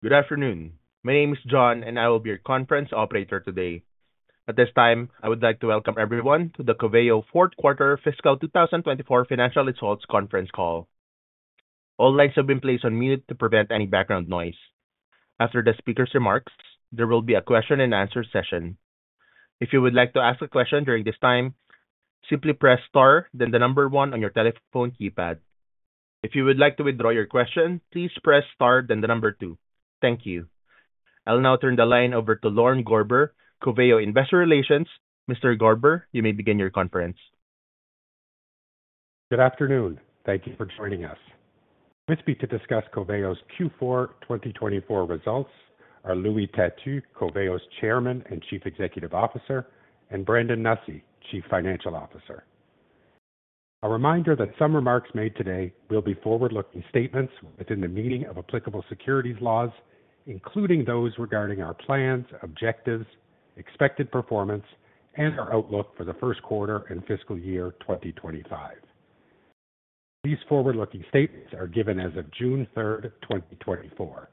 Good afternoon. My name is John, and I will be your conference operator today. At this time, I would like to welcome everyone to the Coveo Fourth Quarter Fiscal 2024 Financial Results Conference Call. All lines have been placed on mute to prevent any background noise. After the speaker's remarks, there will be a question and answer session. If you would like to ask a question during this time, simply press star, then the number one on your telephone keypad. If you would like to withdraw your question, please press star, then the number two. Thank you. I'll now turn the line over to Lorne Gorber, Coveo Investor Relations. Mr. Gorber, you may begin your conference. Good afternoon. Thank you for joining us. With me to discuss Coveo's Q4 2024 results are Louis Têtu, Coveo's Chairman and Chief Executive Officer, and Brandon Nussey, Chief Financial Officer. A reminder that some remarks made today will be forward-looking statements within the meaning of applicable securities laws, including those regarding our plans, objectives, expected performance, and our outlook for the first quarter and fiscal year 2025. These forward-looking statements are given as of June 3, 2024.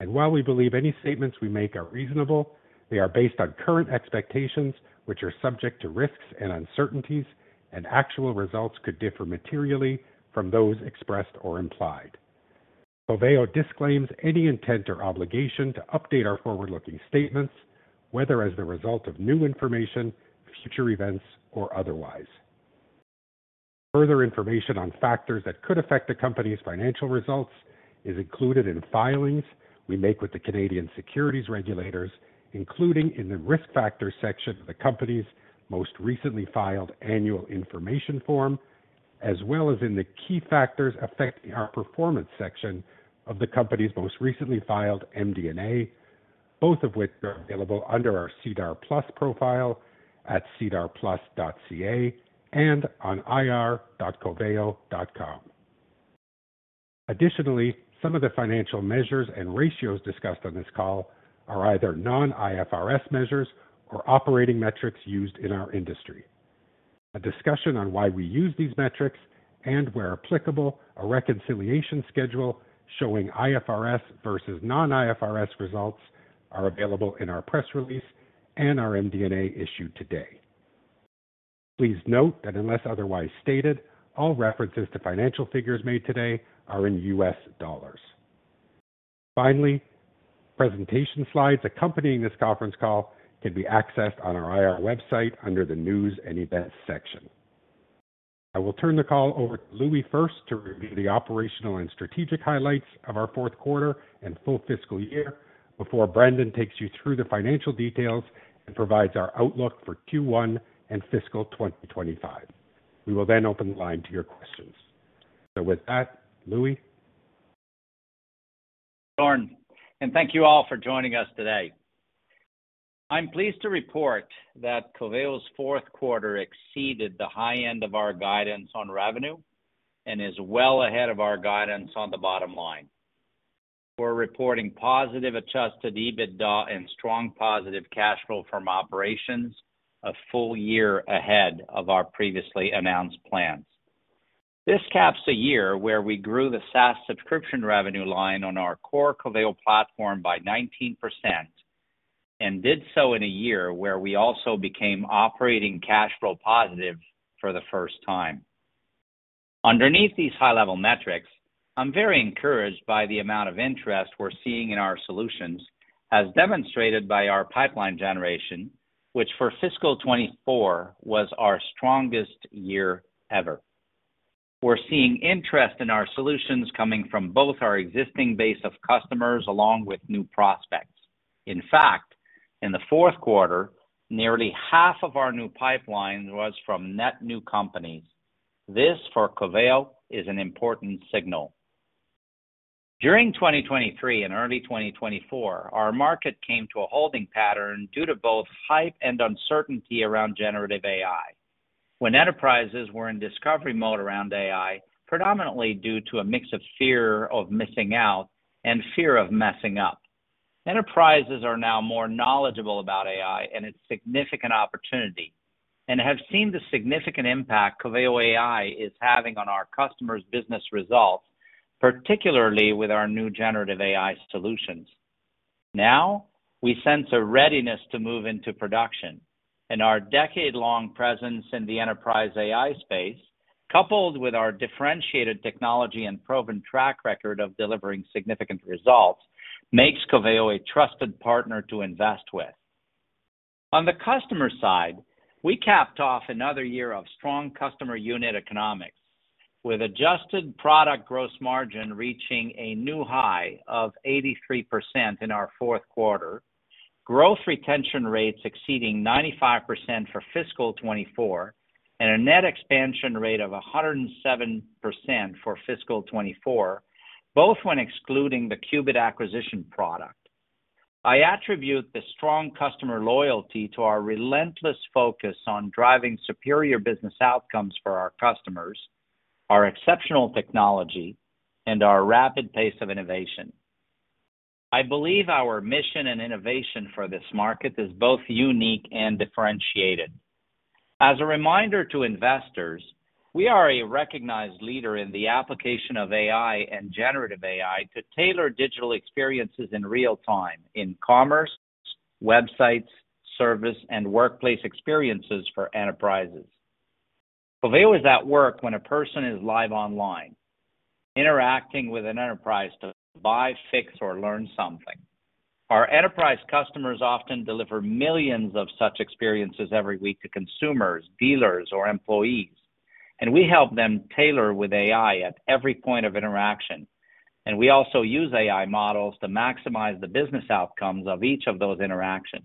And while we believe any statements we make are reasonable, they are based on current expectations, which are subject to risks and uncertainties, and actual results could differ materially from those expressed or implied. Coveo disclaims any intent or obligation to update our forward-looking statements, whether as the result of new information, future events, or otherwise. Further information on factors that could affect the company's financial results is included in filings we make with the Canadian securities regulators, including in the Risk Factors section of the company's most recently filed annual information form, as well as in the Key Factors Affecting Our Performance section of the company's most recently filed MD&A, both of which are available under our SEDAR+ profile at sedarplus.ca and on ir.coveo.com. Additionally, some of the financial measures and ratios discussed on this call are either non-IFRS measures or operating metrics used in our industry. A discussion on why we use these metrics and, where applicable, a reconciliation schedule showing IFRS versus non-IFRS results are available in our press release and our MD&A issued today. Please note that unless otherwise stated, all references to financial figures made today are in U.S. dollars. Finally, presentation slides accompanying this conference call can be accessed on our IR website under the News and Events section. I will turn the call over to Louis first to review the operational and strategic highlights of our fourth quarter and full fiscal year before Brandon takes you through the financial details and provides our outlook for Q1 and fiscal 2025. We will then open the line to your questions. So with that, Louis? Lorne, and thank you all for joining us today. I'm pleased to report that Coveo's fourth quarter exceeded the high end of our guidance on revenue and is well ahead of our guidance on the bottom line. We're reporting positive adjusted EBITDA and strong positive cash flow from operations a full year ahead of our previously announced plans. This caps a year where we grew the SaaS subscription revenue line on our core Coveo platform by 19% and did so in a year where we also became operating cash flow positive for the first time. Underneath these high-level metrics, I'm very encouraged by the amount of interest we're seeing in our solutions, as demonstrated by our pipeline generation, which for fiscal 2024, was our strongest year ever. We're seeing interest in our solutions coming from both our existing base of customers along with new prospects. In fact, in the fourth quarter, nearly half of our new pipeline was from net new companies. This, for Coveo, is an important signal. During 2023 and early 2024, our market came to a holding pattern due to both hype and uncertainty around generative AI, when enterprises were in discovery mode around AI, predominantly due to a mix of fear of missing out and fear of messing up. Enterprises are now more knowledgeable about AI and its significant opportunity and have seen the significant impact Coveo AI is having on our customers' business results, particularly with our new generative AI solutions. Now, we sense a readiness to move into production, and our decade-long presence in the enterprise AI space, coupled with our differentiated technology and proven track record of delivering significant results, makes Coveo a trusted partner to invest with. On the customer side, we capped off another year of strong customer unit economics, with adjusted product gross margin reaching a new high of 83% in our fourth quarter, gross retention rates exceeding 95% for fiscal 2024, and a net expansion rate of 107% for fiscal 2024, both when excluding the Qubit acquisition product. I attribute the strong customer loyalty to our relentless focus on driving superior business outcomes for our customers, our exceptional technology, and our rapid pace of innovation. I believe our mission and innovation for this market is both unique and differentiated. As a reminder to investors, we are a recognized leader in the application of AI and generative AI to tailor digital experiences in real time in commerce, websites, service, and workplace experiences for enterprises. Coveo is at work when a person is live online, interacting with an enterprise to buy, fix, or learn something. Our enterprise customers often deliver millions of such experiences every week to consumers, dealers, or employees, and we help them tailor with AI at every point of interaction, and we also use AI models to maximize the business outcomes of each of those interactions.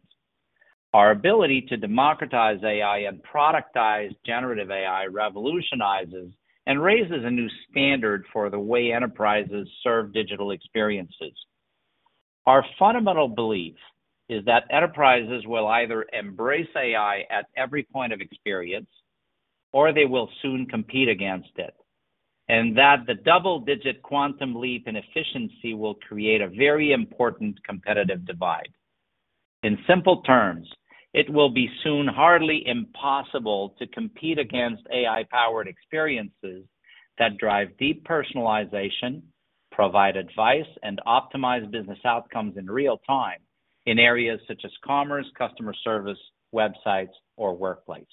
Our ability to democratize AI and productize generative AI revolutionizes and raises a new standard for the way enterprises serve digital experiences. Our fundamental belief is that enterprises will either embrace AI at every point of experience, or they will soon compete against it, and that the double-digit quantum leap in efficiency will create a very important competitive divide. In simple terms, it will be soon hardly impossible to compete against AI-powered experiences that drive deep personalization, provide advice, and optimize business outcomes in real time in areas such as commerce, customer service, websites, or workplace.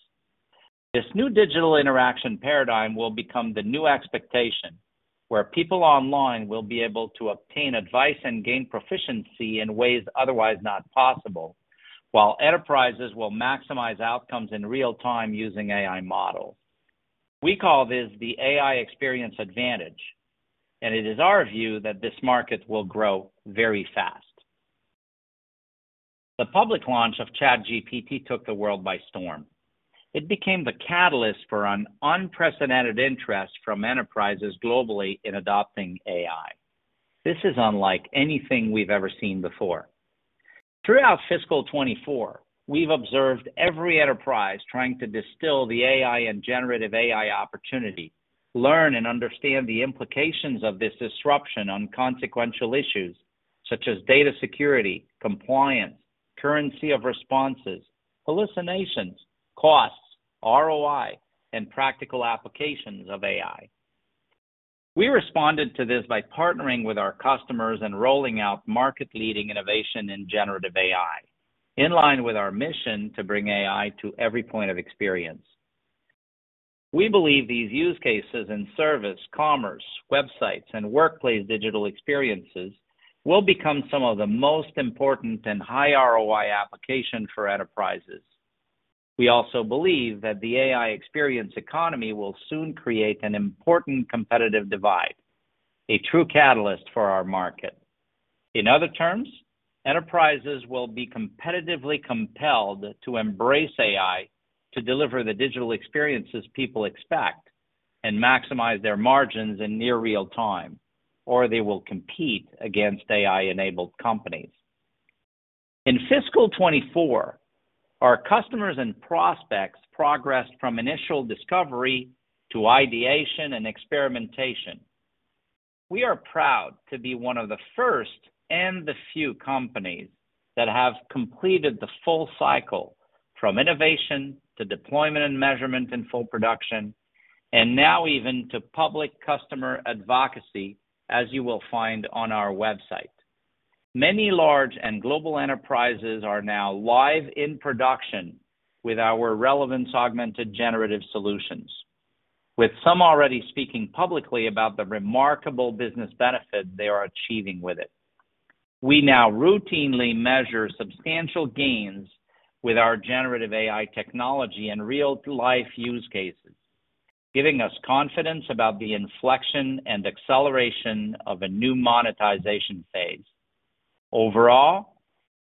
This new digital interaction paradigm will become the new expectation, where people online will be able to obtain advice and gain proficiency in ways otherwise not possible, while enterprises will maximize outcomes in real time using AI model. We call this the AI experience advantage, and it is our view that this market will grow very fast. The public launch of ChatGPT took the world by storm. It became the catalyst for an unprecedented interest from enterprises globally in adopting AI. This is unlike anything we've ever seen before. Throughout fiscal 2024, we've observed every enterprise trying to distill the AI and generative AI opportunity, learn and understand the implications of this disruption on consequential issues such as data security, compliance, currency of responses, hallucinations, costs, ROI, and practical applications of AI. We responded to this by partnering with our customers and rolling out market-leading innovation in generative AI, in line with our mission to bring AI to every point of experience. We believe these use cases in service, commerce, websites, and workplace digital experiences will become some of the most important and high ROI application for enterprises. We also believe that the AI experience economy will soon create an important competitive divide, a true catalyst for our market. In other terms, enterprises will be competitively compelled to embrace AI to deliver the digital experiences people expect and maximize their margins in near real time, or they will compete against AI-enabled companies. In fiscal 2024, our customers and prospects progressed from initial discovery to ideation and experimentation. We are proud to be one of the first and the few companies that have completed the full cycle, from innovation to deployment and measurement in full production, and now even to public customer advocacy, as you will find on our website. Many large and global enterprises are now live in production with our relevance-augmented generative solutions, with some already speaking publicly about the remarkable business benefit they are achieving with it. We now routinely measure substantial gains with our generative AI technology and real-life use cases, giving us confidence about the inflection and acceleration of a new monetization phase. Overall,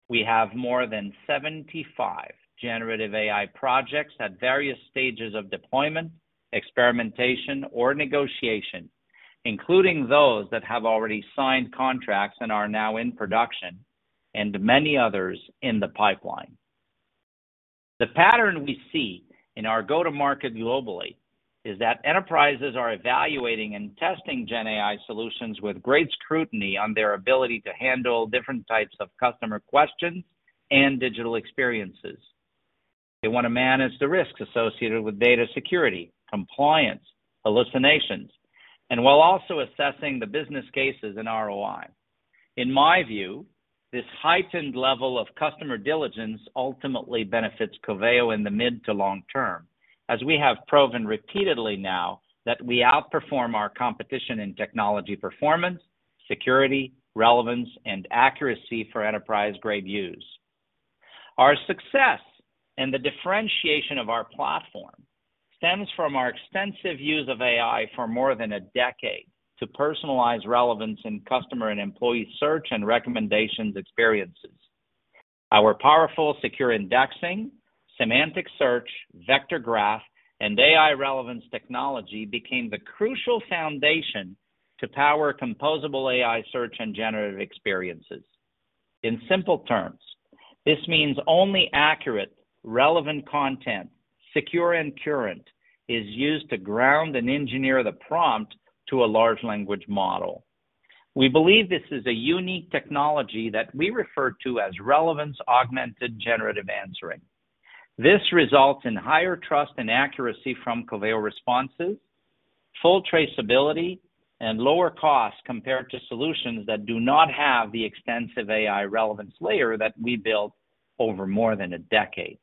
we have more than 75 generative AI projects at various stages of deployment, experimentation, or negotiation, including those that have already signed contracts and are now in production, and many others in the pipeline. The pattern we see in our go-to-market globally is that enterprises are evaluating and testing GenAI solutions with great scrutiny on their ability to handle different types of customer questions and digital experiences. They want to manage the risks associated with data security, compliance, hallucinations, and while also assessing the business cases and ROI. In my view, this heightened level of customer diligence ultimately benefits Coveo in the mid to long term, as we have proven repeatedly now that we outperform our competition in technology performance, security, relevance, and accuracy for enterprise-grade use. Our success and the differentiation of our platform stems from our extensive use of AI for more than a decade to personalize relevance in customer and employee search and recommendations experiences. Our powerful secure indexing, semantic search, vector graph, and AI relevance technology became the crucial foundation to power composable AI search and generative experiences. In simple terms, this means only accurate, relevant content, secure and current, is used to ground and engineer the prompt to a large language model. We believe this is a unique technology that we refer to as relevance-augmented generative answering. This results in higher trust and accuracy from Coveo responses, full traceability, and lower costs compared to solutions that do not have the extensive AI relevance layer that we built over more than a decade.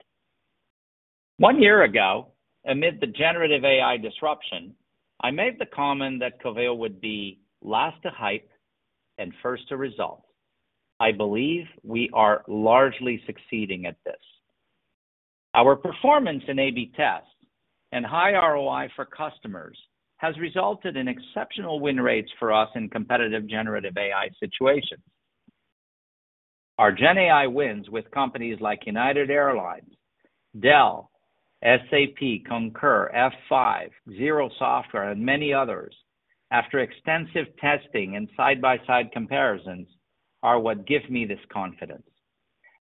One year ago, amid the generative AI disruption, I made the comment that Coveo would be last to hype and first to result. I believe we are largely succeeding at this. Our performance in A/B tests and high ROI for customers has resulted in exceptional win rates for us in competitive generative AI situations. Our GenAI wins with companies like United Airlines, Dell, SAP, Concur, F5, Xero, and many others, after extensive testing and side-by-side comparisons, are what give me this confidence.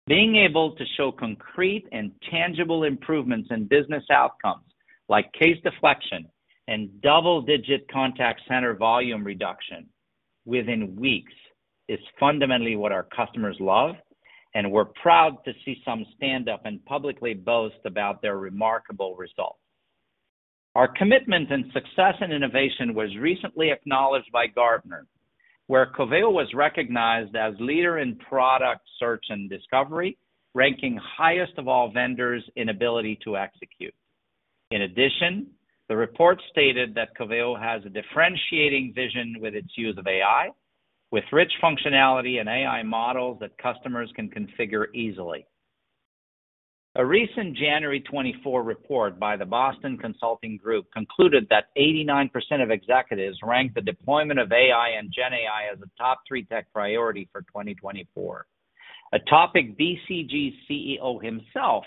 Being able to show concrete and tangible improvements in business outcomes, like case deflection and double-digit contact center volume reduction within weeks, is fundamentally what our customers love, and we're proud to see some stand up and publicly boast about their remarkable results. Our commitment and success in innovation was recently acknowledged by Gartner, where Coveo was recognized as leader in product search and discovery, ranking highest of all vendors in ability to execute. In addition, the report stated that Coveo has a differentiating vision with its use of AI, with rich functionality and AI models that customers can configure easily. A recent January 2024 report by the Boston Consulting Group concluded that 89% of executives ranked the deployment of AI and GenAI as a top three tech priority for 2024, a topic BCG's CEO himself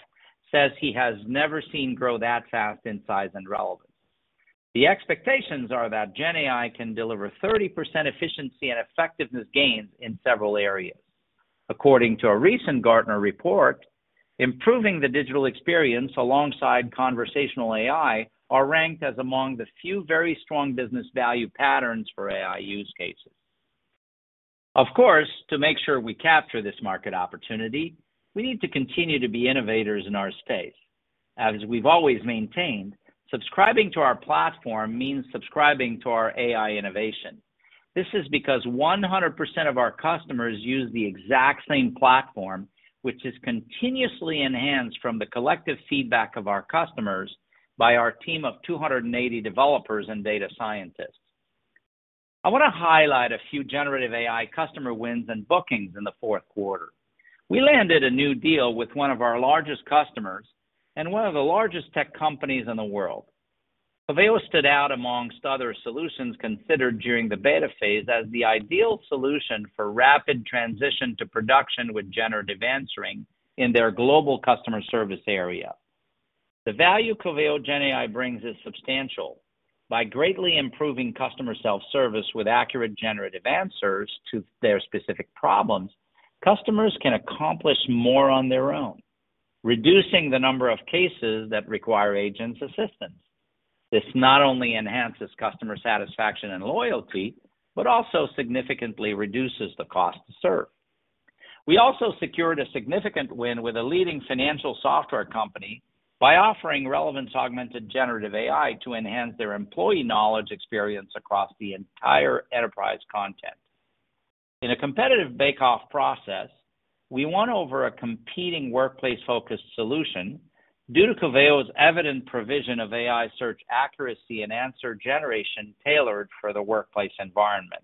says he has never seen grow that fast in size and relevance. The expectations are that GenAI can deliver 30% efficiency and effectiveness gains in several areas. According to a recent Gartner report, improving the digital experience alongside conversational AI are ranked as among the few very strong business value patterns for AI use cases. Of course, to make sure we capture this market opportunity, we need to continue to be innovators in our space. As we've always maintained, subscribing to our platform means subscribing to our AI innovation. This is because 100% of our customers use the exact same platform, which is continuously enhanced from the collective feedback of our customers by our team of 280 developers and data scientists. I want to highlight a few generative AI customer wins and bookings in the fourth quarter. We landed a new deal with one of our largest customers and one of the largest tech companies in the world. Coveo stood out among other solutions considered during the beta phase as the ideal solution for rapid transition to production with generative answering in their global customer service area. The value Coveo GenAI brings is substantial. By greatly improving customer self-service with accurate, generative answers to their specific problems, customers can accomplish more on their own, reducing the number of cases that require agents' assistance. This not only enhances customer satisfaction and loyalty, but also significantly reduces the cost to serve. We also secured a significant win with a leading financial software company by offering relevance-augmented generative AI to enhance their employee knowledge experience across the entire enterprise content. In a competitive bake-off process, we won over a competing workplace-focused solution due to Coveo's evident provision of AI search accuracy and answer generation tailored for the workplace environment.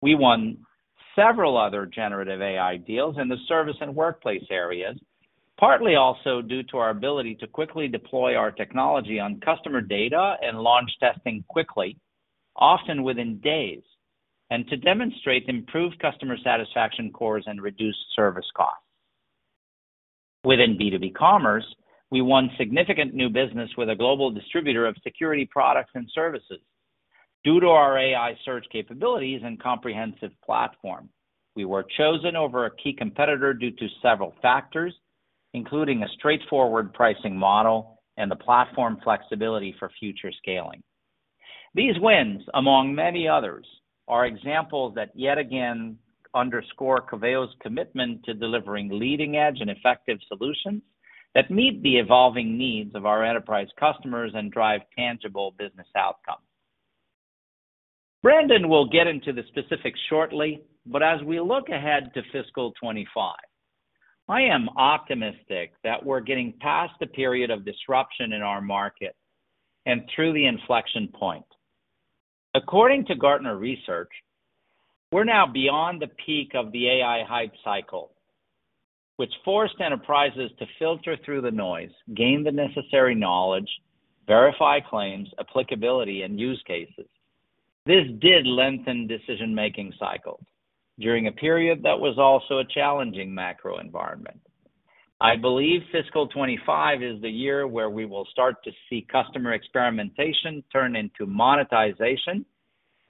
We won several other generative AI deals in the service and workplace areas, partly also due to our ability to quickly deploy our technology on customer data and launch testing quickly, often within days, and to demonstrate improved customer satisfaction scores and reduced service costs. Within B2B commerce, we won significant new business with a global distributor of security products and services due to our AI search capabilities and comprehensive platform. We were chosen over a key competitor due to several factors, including a straightforward pricing model and the platform flexibility for future scaling. These wins, among many others, are examples that yet again underscore Coveo's commitment to delivering leading-edge and effective solutions that meet the evolving needs of our enterprise customers and drive tangible business outcomes. Brandon will get into the specifics shortly, but as we look ahead to fiscal 25, I am optimistic that we're getting past the period of disruption in our market and through the inflection point. According to Gartner research, we're now beyond the peak of the AI hype cycle, which forced enterprises to filter through the noise, gain the necessary knowledge, verify claims, applicability, and use cases. This did lengthen decision-making cycles during a period that was also a challenging macro environment. I believe fiscal 25 is the year where we will start to see customer experimentation turn into monetization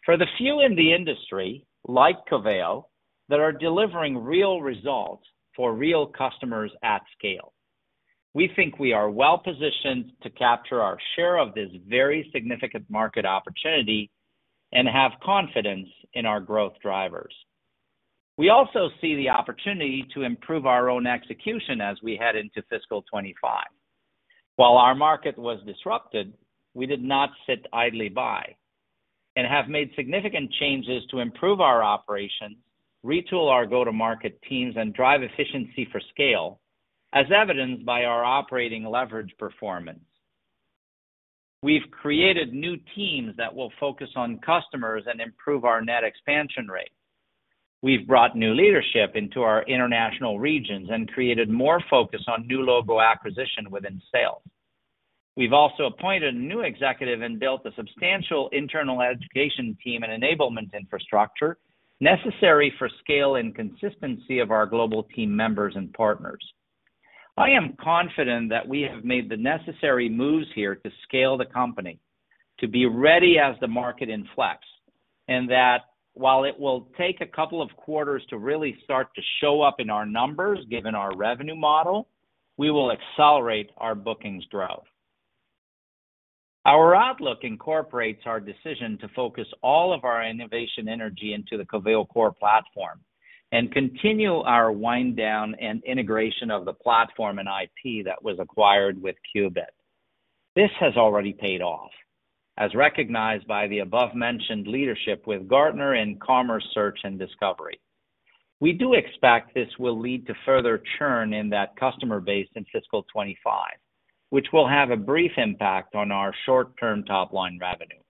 for the few in the industry, like Coveo, that are delivering real results for real customers at scale. We think we are well-positioned to capture our share of this very significant market opportunity and have confidence in our growth drivers. We also see the opportunity to improve our own execution as we head into fiscal 2025. While our market was disrupted, we did not sit idly by, and have made significant changes to improve our operations, retool our go-to-market teams, and drive efficiency for scale, as evidenced by our operating leverage performance. We've created new teams that will focus on customers and improve our net expansion rate. We've brought new leadership into our international regions and created more focus on new logo acquisition within sales. We've also appointed a new executive and built a substantial internal education team and enablement infrastructure necessary for scale and consistency of our global team members and partners. I am confident that we have made the necessary moves here to scale the company, to be ready as the market inflects, and that while it will take a couple of quarters to really start to show up in our numbers, given our revenue model, we will accelerate our bookings growth. Our outlook incorporates our decision to focus all of our innovation energy into the Coveo core platform and continue our wind down and integration of the platform and IP that was acquired with Qubit. This has already paid off, as recognized by the above-mentioned leadership with Gartner and Commerce Search and Discovery. We do expect this will lead to further churn in that customer base in fiscal 2025, which will have a brief impact on our short-term top-line revenue.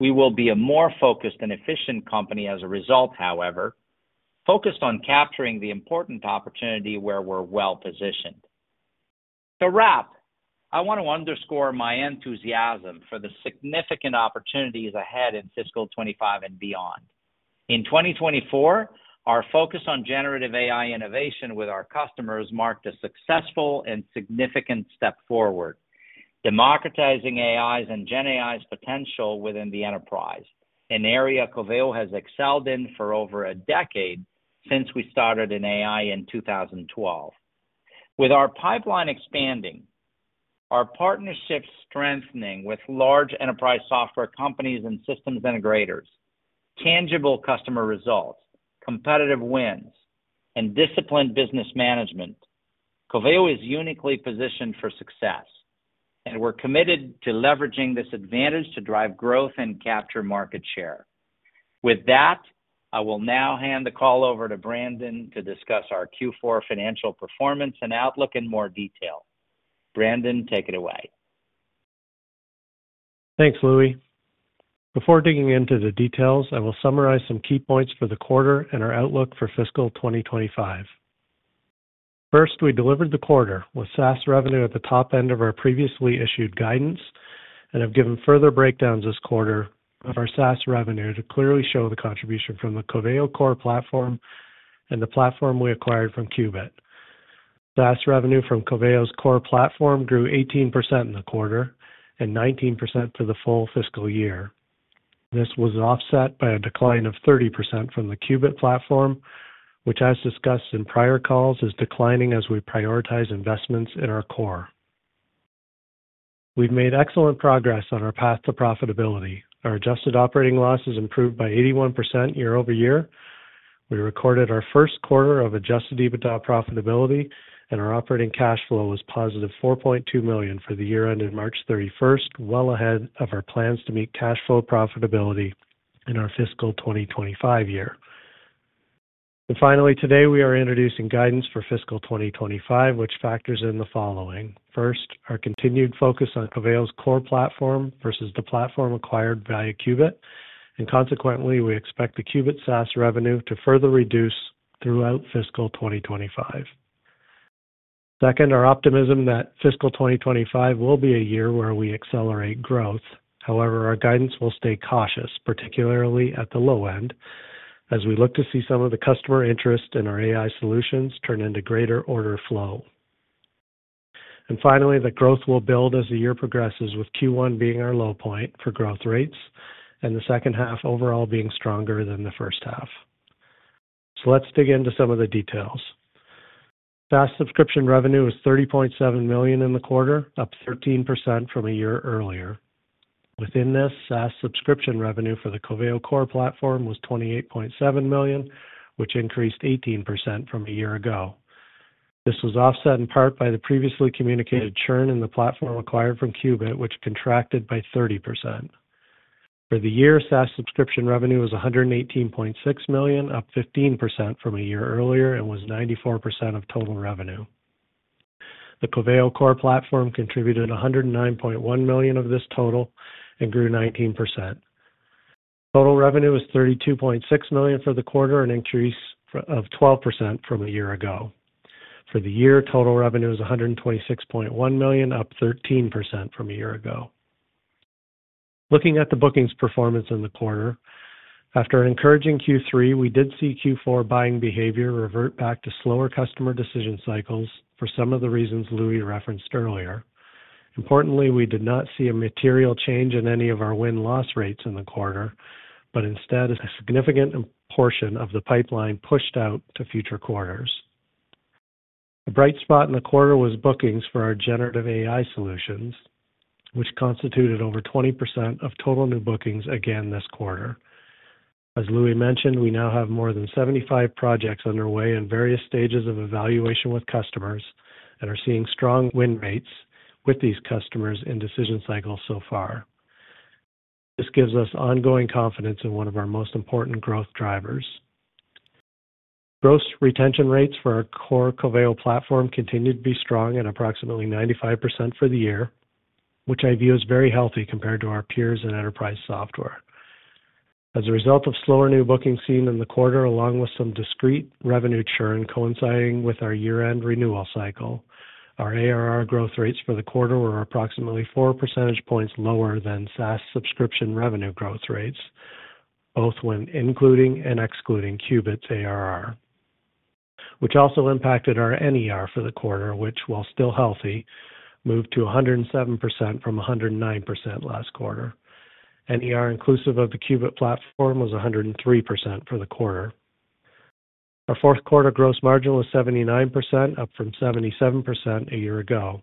We will be a more focused and efficient company as a result, however, focused on capturing the important opportunity where we're well-positioned. To wrap, I want to underscore my enthusiasm for the significant opportunities ahead in fiscal 2025 and beyond. In 2024, our focus on generative AI innovation with our customers marked a successful and significant step forward, democratizing AI's and GenAI's potential within the enterprise, an area Coveo has excelled in for over a decade since we started in AI in 2012. With our pipeline expanding, our partnerships strengthening with large enterprise software companies and systems integrators, tangible customer results, competitive wins, and disciplined business management, Coveo is uniquely positioned for success, and we're committed to leveraging this advantage to drive growth and capture market share. With that, I will now hand the call over to Brandon to discuss our Q4 financial performance and outlook in more detail. Brandon, take it away. Thanks, Louis. Before digging into the details, I will summarize some key points for the quarter and our outlook for fiscal 2025. First, we delivered the quarter with SaaS revenue at the top end of our previously issued guidance and have given further breakdowns this quarter of our SaaS revenue to clearly show the contribution from the Coveo core platform and the platform we acquired from Qubit. SaaS revenue from Coveo's core platform grew 18% in the quarter and 19% for the full fiscal year. This was offset by a decline of 30% from the Qubit platform, which, as discussed in prior calls, is declining as we prioritize investments in our core. We've made excellent progress on our path to profitability. Our adjusted operating losses improved by 81% year-over-year. We recorded our first quarter of adjusted EBITDA profitability, and our operating cash flow was positive $4.2 million for the year ended March 31st, well ahead of our plans to meet cash flow profitability in our fiscal 2025 year. Finally, today, we are introducing guidance for fiscal 2025, which factors in the following. First, our continued focus on Coveo's core platform versus the platform acquired via Qubit, and consequently, we expect the Qubit SaaS revenue to further reduce throughout fiscal 2025. Second, our optimism that fiscal 2025 will be a year where we accelerate growth. However, our guidance will stay cautious, particularly at the low end, as we look to see some of the customer interest in our AI solutions turn into greater order flow. Finally, the growth will build as the year progresses, with Q1 being our low point for growth rates and the second half overall being stronger than the first half. Let's dig into some of the details. SaaS subscription revenue was $30.7 million in the quarter, up 13% from a year earlier. Within this, SaaS subscription revenue for the Coveo core platform was $28.7 million, which increased 18% from a year ago. This was offset in part by the previously communicated churn in the platform acquired from Qubit, which contracted by 30%. For the year, SaaS subscription revenue was $118.6 million, up 15% from a year earlier, and was 94% of total revenue. The Coveo core platform contributed $109.1 million of this total and grew 19%. Total revenue was $32.6 million for the quarter, an increase of 12% from a year ago. For the year, total revenue was $126.1 million, up 13% from a year ago. Looking at the bookings performance in the quarter, after an encouraging Q3, we did see Q4 buying behavior revert back to slower customer decision cycles for some of the reasons Louis referenced earlier. Importantly, we did not see a material change in any of our win-loss rates in the quarter, but instead, a significant portion of the pipeline pushed out to future quarters. The bright spot in the quarter was bookings for our generative AI solutions, which constituted over 20% of total new bookings again this quarter. As Louis mentioned, we now have more than 75 projects underway in various stages of evaluation with customers, and are seeing strong win rates with these customers in decision cycles so far. This gives us ongoing confidence in one of our most important growth drivers. Gross retention rates for our core Coveo platform continued to be strong at approximately 95% for the year, which I view as very healthy compared to our peers in enterprise software. As a result of slower new bookings seen in the quarter, along with some discrete revenue churn coinciding with our year-end renewal cycle, our ARR growth rates for the quarter were approximately four percentage points lower than SaaS subscription revenue growth rates, both when including and excluding Qubit's ARR, which also impacted our NER for the quarter, which, while still healthy, moved to 107% from 109% last quarter. NER, inclusive of the Qubit platform, was 103% for the quarter. Our fourth quarter gross margin was 79%, up from 77% a year ago.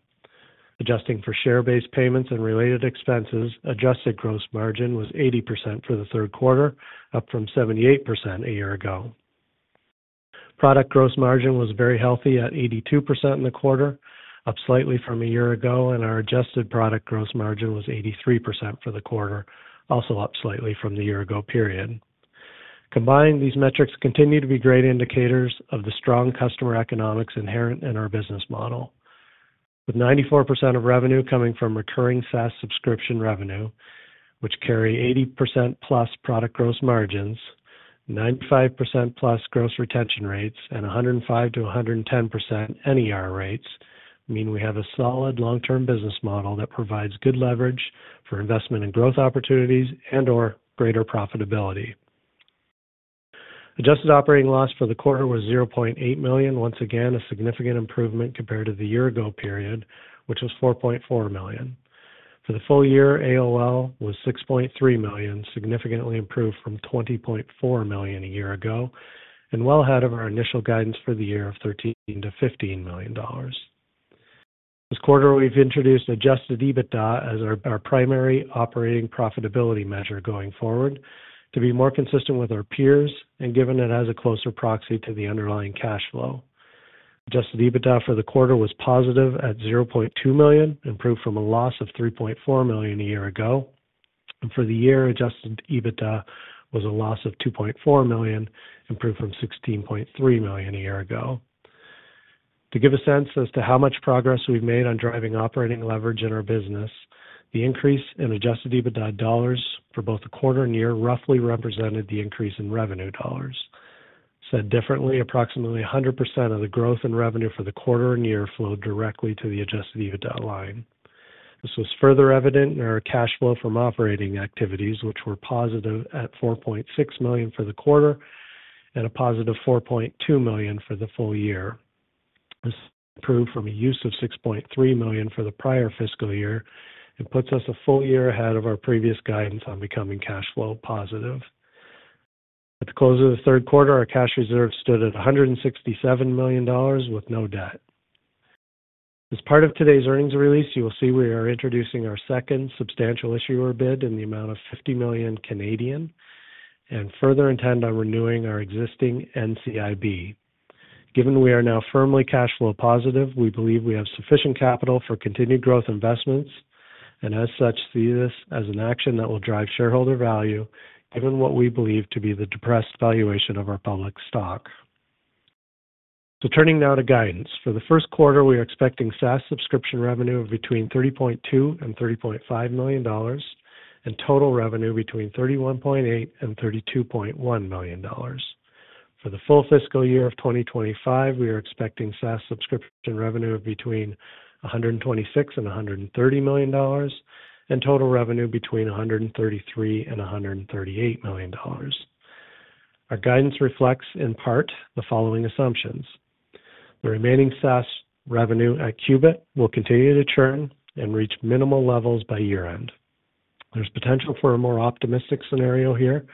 Adjusting for share-based payments and related expenses, adjusted gross margin was 80% for the third quarter, up from 78% a year ago. Product gross margin was very healthy at 82% in the quarter, up slightly from a year ago, and our adjusted product gross margin was 83% for the quarter, also up slightly from the year ago period. Combined, these metrics continue to be great indicators of the strong customer economics inherent in our business model, with 94% of revenue coming from recurring SaaS subscription revenue, which carry 80%+ product gross margins, 95%+ gross retention rates, and 105%-110% NER rates, mean we have a solid long-term business model that provides good leverage for investment in growth opportunities and/or greater profitability. Adjusted operating loss for the quarter was $0.8 million. Once again, a significant improvement compared to the year ago period, which was $4.4 million. For the full year, adjusted operating loss was $6.3 million, significantly improved from $20.4 million a year ago, and well ahead of our initial guidance for the year of $13 million-$15 million. This quarter, we've introduced adjusted EBITDA as our primary operating profitability measure going forward to be more consistent with our peers and given it has a closer proxy to the underlying cash flow. Adjusted EBITDA for the quarter was positive at $0.2 million, improved from a loss of $3.4 million a year ago, and for the year, adjusted EBITDA was a loss of $2.4 million, improved from $16.3 million a year ago. To give a sense as to how much progress we've made on driving operating leverage in our business, the increase in adjusted EBITDA dollars for both the quarter and year roughly represented the increase in revenue dollars. Said differently, approximately 100% of the growth in revenue for the quarter and year flowed directly to the adjusted EBITDA line. This was further evident in our cash flow from operating activities, which were positive at $4.6 million for the quarter and a positive $4.2 million for the full year. This improved from a use of $6.3 million for the prior fiscal year and puts us a full year ahead of our previous guidance on becoming cash flow positive. At the close of the third quarter, our cash reserves stood at $167 million with no debt. As part of today's earnings release, you will see we are introducing our second substantial issuer bid in the amount of 50 million, and further intend on renewing our existing NCIB. Given we are now firmly cash flow positive, we believe we have sufficient capital for continued growth investments, and as such, see this as an action that will drive shareholder value, given what we believe to be the depressed valuation of our public stock. So turning now to guidance. For the first quarter, we are expecting SaaS subscription revenue of between $3.2 million and $3.5 million, and total revenue between $31.8 million and $32.1 million. For the full fiscal year of 2025, we are expecting SaaS subscription revenue of between $126 million and $130 million, and total revenue between $133 million and $138 million. Our guidance reflects, in part, the following assumptions. The remaining SaaS revenue at Qubit will continue to churn and reach minimal levels by year-end. There's potential for a more optimistic scenario here,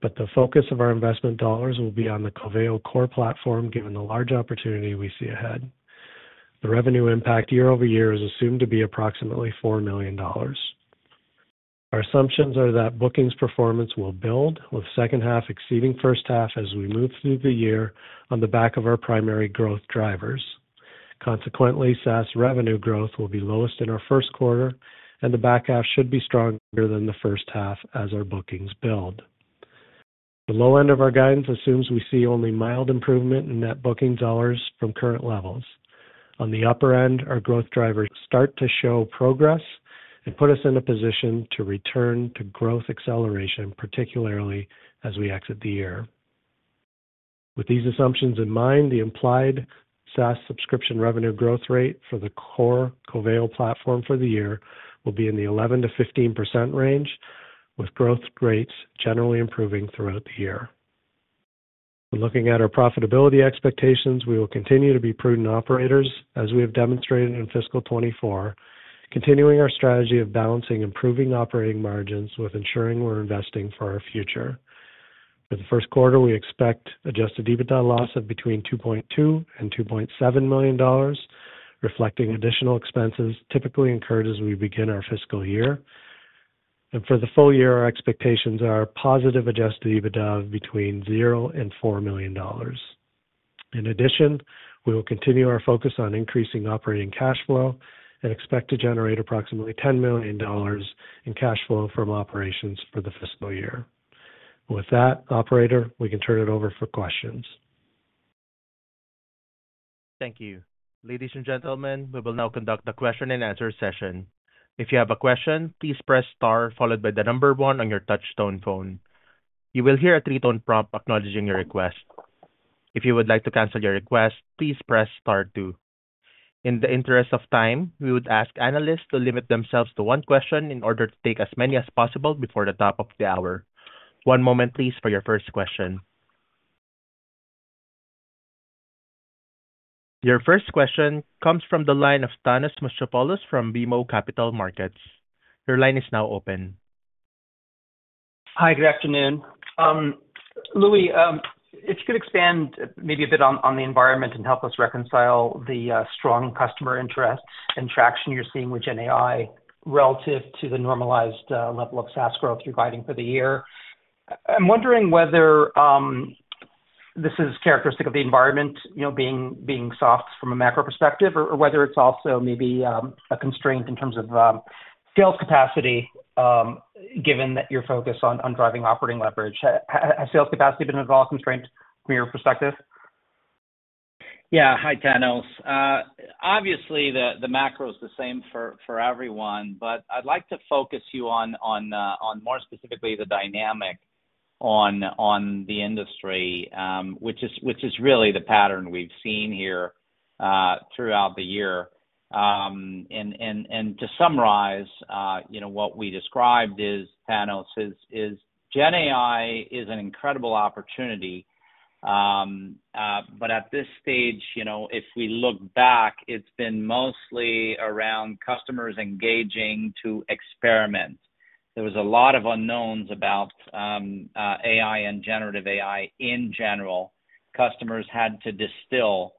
but the focus of our investment dollars will be on the Coveo core platform, given the large opportunity we see ahead. The revenue impact year-over-year is assumed to be approximately $4 million. Our assumptions are that bookings performance will build, with second half exceeding first half as we move through the year on the back of our primary growth drivers. Consequently, SaaS revenue growth will be lowest in our first quarter, and the back half should be stronger than the first half as our bookings build. The low end of our guidance assumes we see only mild improvement in net booking dollars from current levels. On the upper end, our growth drivers start to show progress and put us in a position to return to growth acceleration, particularly as we exit the year. With these assumptions in mind, the implied SaaS subscription revenue growth rate for the core Coveo platform for the year will be in the 11%-15% range, with growth rates generally improving throughout the year. Looking at our profitability expectations, we will continue to be prudent operators, as we have demonstrated in fiscal 2024, continuing our strategy of balancing improving operating margins with ensuring we're investing for our future. For the first quarter, we expect adjusted EBITDA loss of between $2.2 million and $2.7 million, reflecting additional expenses typically incurred as we begin our fiscal year. For the full year, our expectations are positive adjusted EBITDA of $0-$4 million. In addition, we will continue our focus on increasing operating cash flow and expect to generate approximately $10 million in cash flow from operations for the fiscal year. With that, operator, we can turn it over for questions. Thank you. Ladies and gentlemen, we will now conduct the question and answer session. If you have a question, please press star followed by the number one on your touchtone phone. You will hear a three-tone prompt acknowledging your request. If you would like to cancel your request, please press star two. In the interest of time, we would ask analysts to limit themselves to one question in order to take as many as possible before the top of the hour. One moment please, for your first question. Your first question comes from the line of Thanos Moschopoulos from BMO Capital Markets. Your line is now open. Hi, good afternoon. Louis, if you could expand maybe a bit on the environment and help us reconcile the strong customer interest and traction you're seeing with GenAI, relative to the normalized level of SaaS growth you're guiding for the year. I'm wondering whether this is characteristic of the environment, you know, being soft from a macro perspective, or whether it's also maybe a constraint in terms of sales capacity, given that you're focused on driving operating leverage. Has sales capacity been at all constrained from your perspective? Yeah. Hi, Thanos. Obviously, the macro is the same for everyone, but I'd like to focus you on more specifically the dynamic on the industry, which is really the pattern we've seen here throughout the year. And to summarize, you know, what we described is, Thanos, GenAI is an incredible opportunity. But at this stage, you know, if we look back, it's been mostly around customers engaging to experiment. There was a lot of unknowns about AI and generative AI in general. Customers had to distill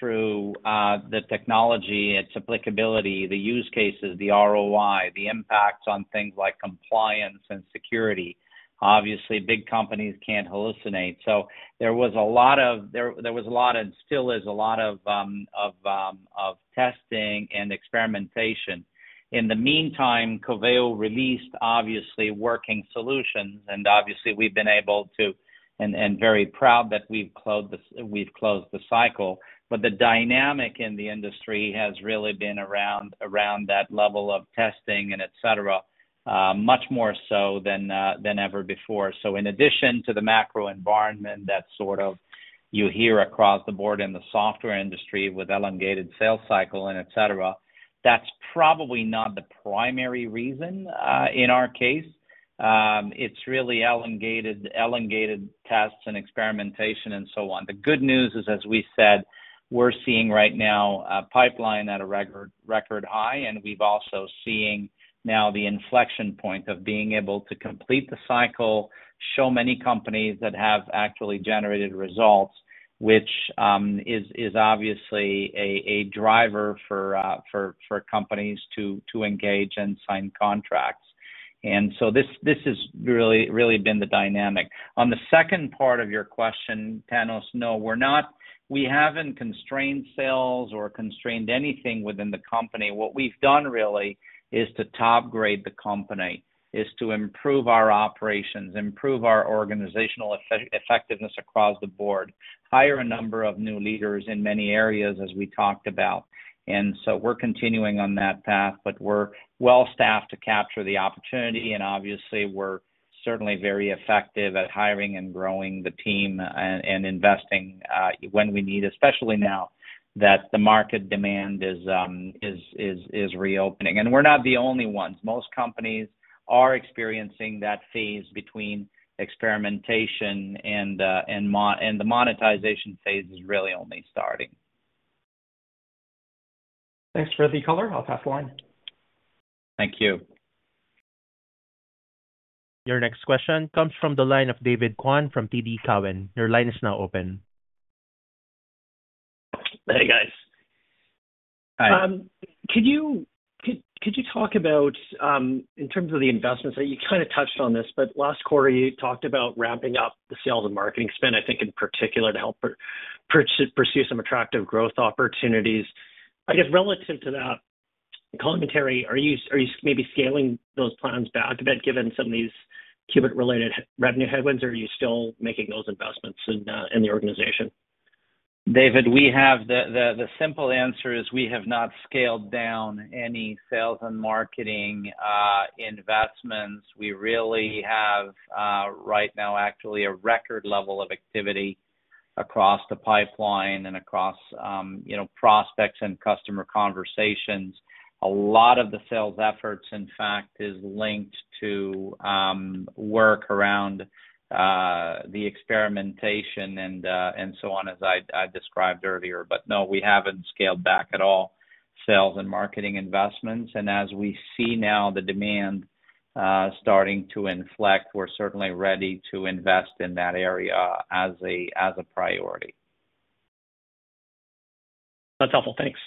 through the technology, its applicability, the use cases, the ROI, the impacts on things like compliance and security. Obviously, big companies can't hallucinate, so there was a lot and still is a lot of testing and experimentation. In the meantime, Coveo released, obviously, working solutions, and obviously, we've been able to and very proud that we've closed the cycle. But the dynamic in the industry has really been around that level of testing and et cetera, much more so than ever before. So in addition to the macro environment, that sort of you hear across the board in the software industry with elongated sales cycle and et cetera, that's probably not the primary reason in our case. It's really elongated tests and experimentation and so on. The good news is, as we said, we're seeing right now a pipeline at a record high, and we're also seeing now the inflection point of being able to complete the cycle, show many companies that have actually generated results, which is obviously a driver for companies to engage and sign contracts. And so this has really, really been the dynamic. On the second part of your question, Thanos, no, we're not. We haven't constrained sales or constrained anything within the company. What we've done really is to topgrade the company, to improve our operations, improve our organizational effectiveness across the board, hire a number of new leaders in many areas, as we talked about. And so we're continuing on that path, but we're well staffed to capture the opportunity, and obviously, we're certainly very effective at hiring and growing the team and investing when we need, especially now that the market demand is reopening. And we're not the only ones. Most companies are experiencing that phase between experimentation and the monetization phase is really only starting. Thanks for the color. I'll pass the line. Thank you. Your next question comes from the line of David Kwan from TD Cowen. Your line is now open. Hey, guys. Hi. Could you talk about, in terms of the investments, that you kind of touched on this, but last quarter, you talked about ramping up the sales and marketing spend, I think, in particular, to help pursue some attractive growth opportunities. I guess, relative to that commentary, are you maybe scaling those plans back, given some of these Qubit-related revenue headwinds, or are you still making those investments in the organization? David, the simple answer is we have not scaled down any sales and marketing investments. We really have, right now, actually, a record level of activity across the pipeline and across, you know, prospects and customer conversations. A lot of the sales efforts, in fact, is linked to work around the experimentation and so on, as I described earlier. But no, we haven't scaled back at all sales and marketing investments, and as we see now the demand starting to inflect, we're certainly ready to invest in that area as a priority. That's helpful. Thanks.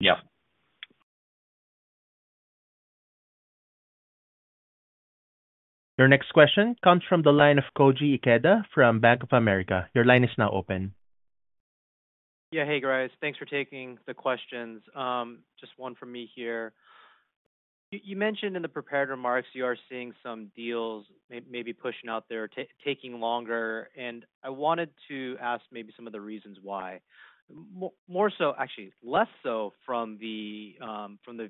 Yeah. Your next question comes from the line of Koji Ikeda from Bank of America. Your line is now open. Yeah. Hey, guys, thanks for taking the questions. Just one from me here. You mentioned in the prepared remarks you are seeing some deals maybe pushing out there, taking longer, and I wanted to ask maybe some of the reasons why. More so, actually, less so from the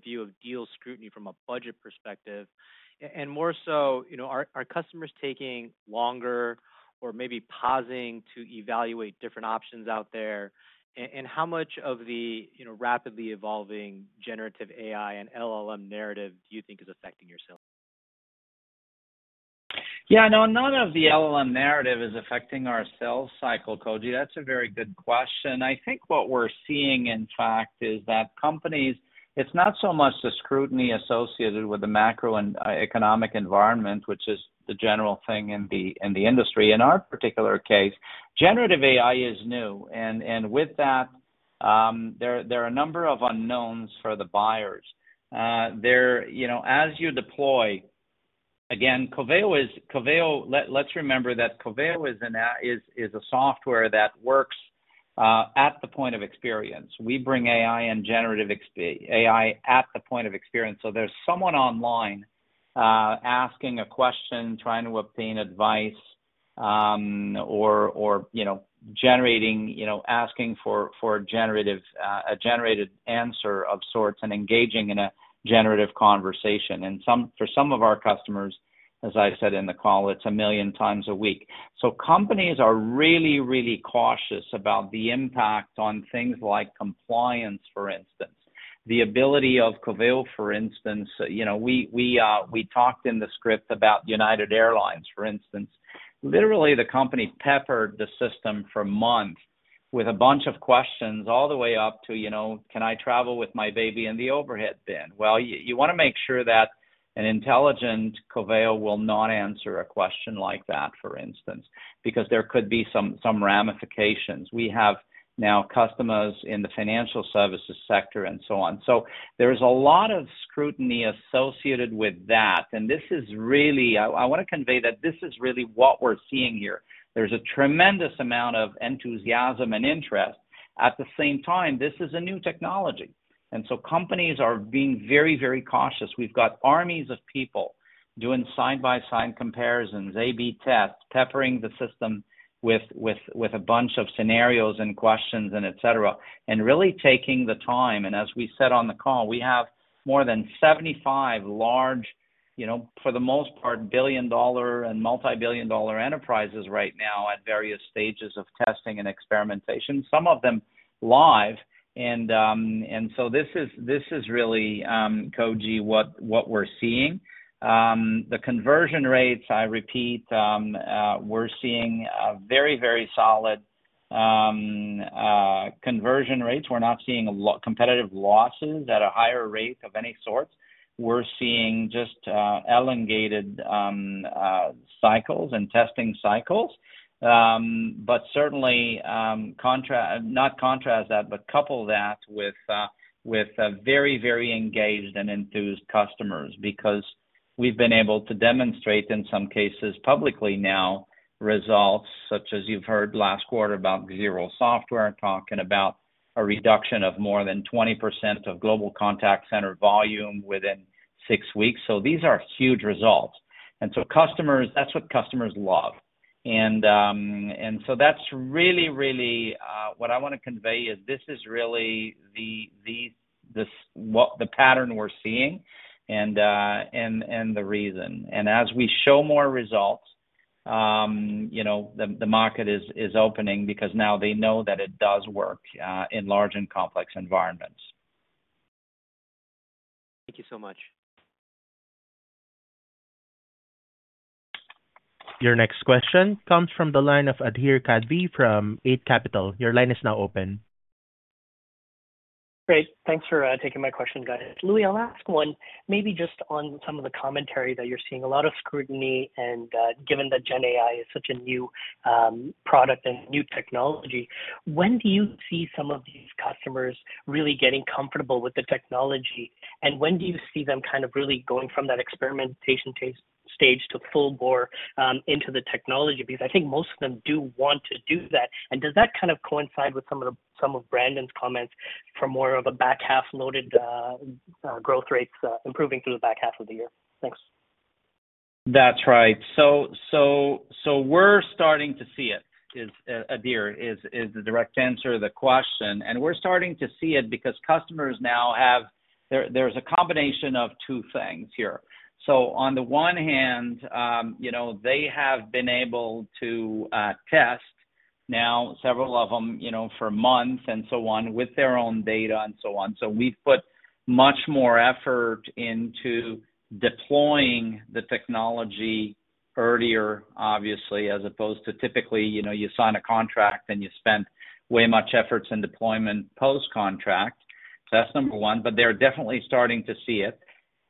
view of deal scrutiny from a budget perspective, and more so, you know, are customers taking longer or maybe pausing to evaluate different options out there? And how much of the, you know, rapidly evolving generative AI and LLM narrative do you think is affecting your sales? Yeah, no, none of the LLM narrative is affecting our sales cycle, Koji. That's a very good question. I think what we're seeing, in fact, is that companies, it's not so much the scrutiny associated with the macro and economic environment, which is the general thing in the industry. In our particular case, generative AI is new, and with that, there are a number of unknowns for the buyers. There, you know, as you deploy. Again, Coveo. Let's remember that Coveo is a software that works at the point of experience. We bring AI and generative AI at the point of experience. So there's someone online asking a question, trying to obtain advice, or, you know, generating, you know, asking for, for a generative, a generated answer of sorts and engaging in a generative conversation. And for some of our customers, as I said in the call, it's 1 million times a week. So companies are really, really cautious about the impact on things like compliance, for instance. The ability of Coveo, for instance, you know, we talked in the script about United Airlines, for instance. Literally, the company peppered the system for months with a bunch of questions all the way up to, you know, "Can I travel with my baby in the overhead bin?" Well, you wanna make sure that an intelligent Coveo will not answer a question like that, for instance, because there could be some ramifications. We have now customers in the financial services sector and so on. So there is a lot of scrutiny associated with that, and this is really I, I wanna convey that this is really what we're seeing here. There's a tremendous amount of enthusiasm and interest. At the same time, this is a new technology, and so companies are being very, very cautious. We've got armies of people doing side-by-side comparisons, A/B tests, peppering the system with a bunch of scenarios and questions and et cetera, and really taking the time. And as we said on the call, we have more than 75 large, you know, for the most part, billion-dollar and multibillion-dollar enterprises right now at various stages of testing and experimentation, some of them live. And so this is, this is really, Koji, what we're seeing. The conversion rates, I repeat, we're seeing a very, very solid conversion rates. We're not seeing competitive losses at a higher rate of any sorts. We're seeing just elongated cycles and testing cycles. But certainly, not contrast that, but couple that with very, very engaged and enthused customers, because we've been able to demonstrate, in some cases publicly now, results, such as you've heard last quarter about Xero, talking about a reduction of more than 20% of global contact center volume within six weeks. So these are huge results. And so customers, that's what customers love. And so that's really, really what I wanna convey is this is really the, the, this, the pattern we're seeing, and, and the reason. As we show more results, you know, the market is opening because now they know that it does work in large and complex environments. Thank you so much. Your next question comes from the line of Adhir Kadve from Eight Capital. Your line is now open. Great. Thanks for taking my question, guys. Louis, I'll ask one, maybe just on some of the commentary that you're seeing, a lot of scrutiny and, given that GenAI is such a new product and new technology, when do you see some of these customers really getting comfortable with the technology? And when do you see them kind of really going from that experimentation stage to full bore into the technology? Because I think most of them do want to do that. And does that kind of coincide with some of Brandon's comments for more of a back half loaded growth rates improving through the back half of the year? Thanks. That's right. So we're starting to see it, Adhir, is the direct answer to the question, and we're starting to see it because customers now have there's a combination of two things here. So on the one hand, you know, they have been able to test now, several of them, you know, for months and so on, with their own data and so on. So we've put much more effort into deploying the technology earlier, obviously, as opposed to typically, you know, you sign a contract, and you spend way more effort in deployment post-contract. So that's number one, but they're definitely starting to see it.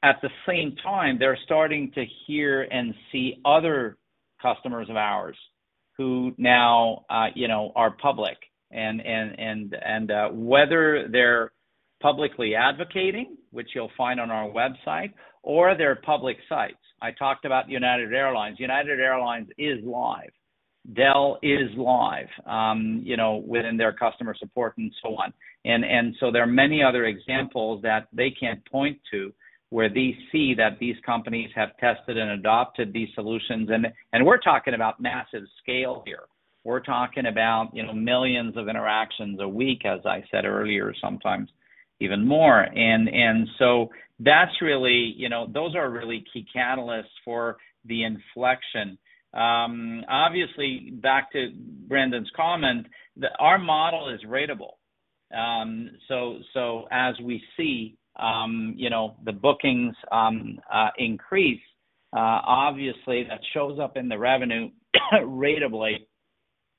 At the same time, they're starting to hear and see other customers of ours who now, you know, are public, and whether they're publicly advocating, which you'll find on our website, or they're public sites. I talked about United Airlines. United Airlines is live. Dell is live, you know, within their customer support and so on. And so there are many other examples that they can point to, where they see that these companies have tested and adopted these solutions. And we're talking about massive scale here. We're talking about, you know, millions of interactions a week, as I said earlier, sometimes even more. And so that's really, you know, those are really key catalysts for the inflection. Obviously, back to Brandon's comment, our model is ratable. So as we see, you know, the bookings increase, obviously, that shows up in the revenue, ratably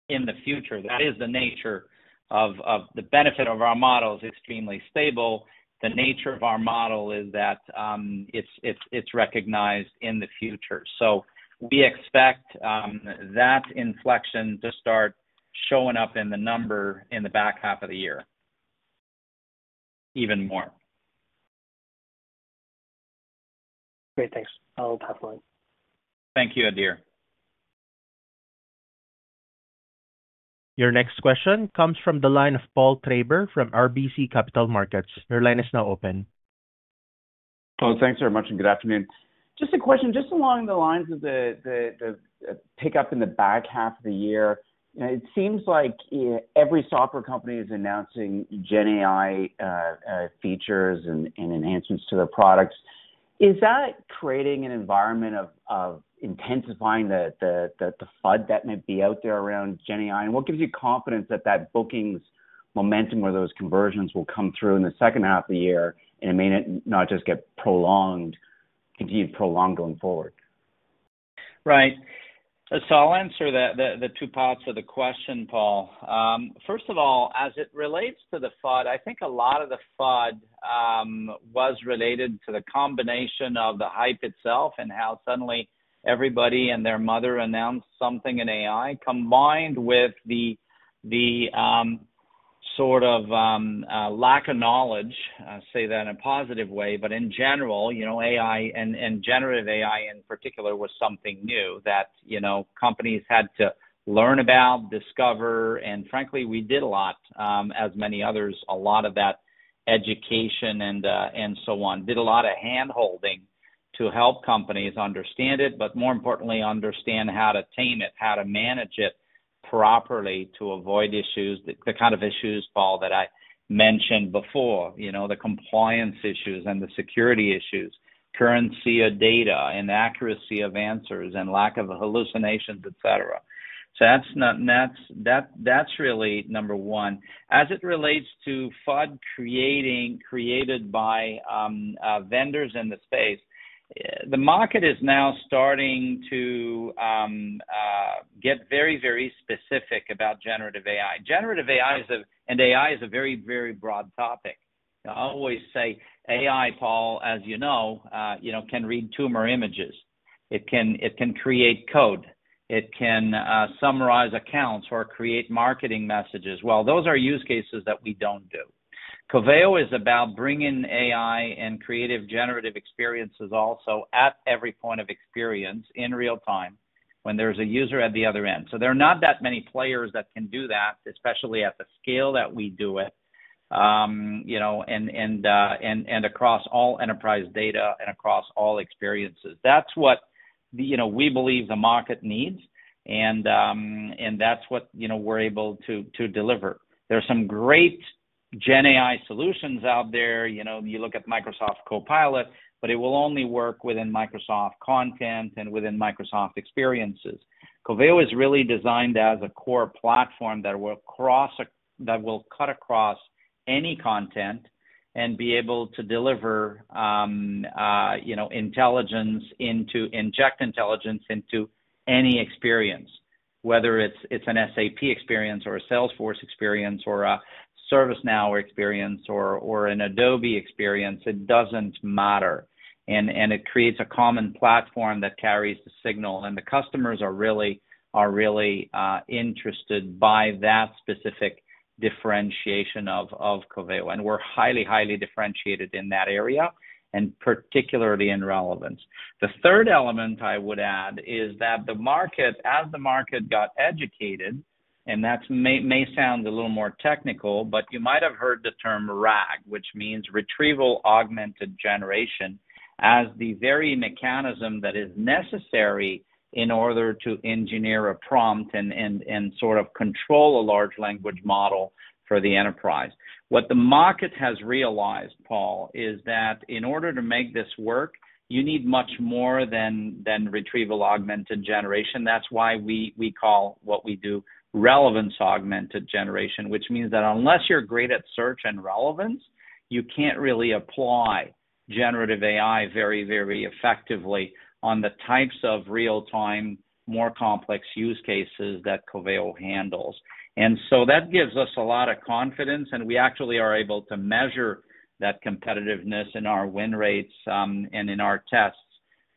in the future. That is the nature of the benefit of our model is extremely stable. The nature of our model is that it's recognized in the future. So we expect that inflection to start showing up in the number in the back half of the year, even more. Great, thanks. I'll pass on. Thank you, Adhir. Your next question comes from the line of Paul Treiber from RBC Capital Markets. Your line is now open. Hello, thanks very much, and good afternoon. Just a question, just along the lines of the pickup in the back half of the year. You know, it seems like every software company is announcing GenAI features and enhancements to their products. Is that creating an environment of intensifying the FUD that might be out there around GenAI? And what gives you confidence that that bookings momentum, where those conversions will come through in the second half of the year, and it may not just get prolonged, continue to prolong going forward? Right. So I'll answer the two parts of the question, Paul. First of all, as it relates to the FUD, I think a lot of the FUD was related to the combination of the hype itself, and how suddenly everybody and their mother announced something in AI, combined with the sort of lack of knowledge. I say that in a positive way, but in general, you know, AI and generative AI, in particular, was something new that, you know, companies had to learn about, discover, and frankly, we did a lot, as many others, a lot of that education and so on. Did a lot of handholding to help companies understand it, but more importantly, understand how to tame it, how to manage it properly, to avoid issues, the kind of issues, Paul, that I mentioned before. You know, the compliance issues and the security issues, currency of data and accuracy of answers, and lack of hallucinations, et cetera. So that's really number one. As it relates to FUD created by vendors in the space, the market is now starting to get very, very specific about generative AI. Generative AI and AI is a very, very broad topic. I always say AI, Paul, as you know, you know, can read tumor images. It can, it can create code, it can summarize accounts or create marketing messages. Well, those are use cases that we don't do. Coveo is about bringing AI and creative generative experiences also at every point of experience, in real time, when there's a user at the other end. So there are not that many players that can do that, especially at the scale that we do it, you know, across all enterprise data and across all experiences. That's what, you know, we believe the market needs, and that's what, you know, we're able to deliver. There are some great GenAI solutions out there. You know, you look at Microsoft Copilot, but it will only work within Microsoft content and within Microsoft experiences. Coveo is really designed as a core platform that will cut across any content and be able to deliver, you know, intelligence into inject intelligence into any experience. Whether it's an SAP experience or a Salesforce experience, or a ServiceNow experience or an Adobe experience, it doesn't matter. It creates a common platform that carries the signal, and the customers are really, are really interested by that specific differentiation of, of Coveo, and we're highly, highly differentiated in that area, and particularly in relevance. The third element I would add is that the market, as the market got educated, and that may sound a little more technical, but you might have heard the term RAG, which means Retrieval-Augmented Generation, as the very mechanism that is necessary in order to engineer a prompt and sort of control a large language model for the enterprise. What the market has realized, Paul, is that in order to make this work, you need much more than Retrieval-Augmented Generation. That's why we call what we do Relevance Augmented Generation, which means that unless you're great at search and relevance. You can't really apply generative AI very, very effectively on the types of real-time, more complex use cases that Coveo handles. And so that gives us a lot of confidence, and we actually are able to measure that competitiveness in our win rates, and in our tests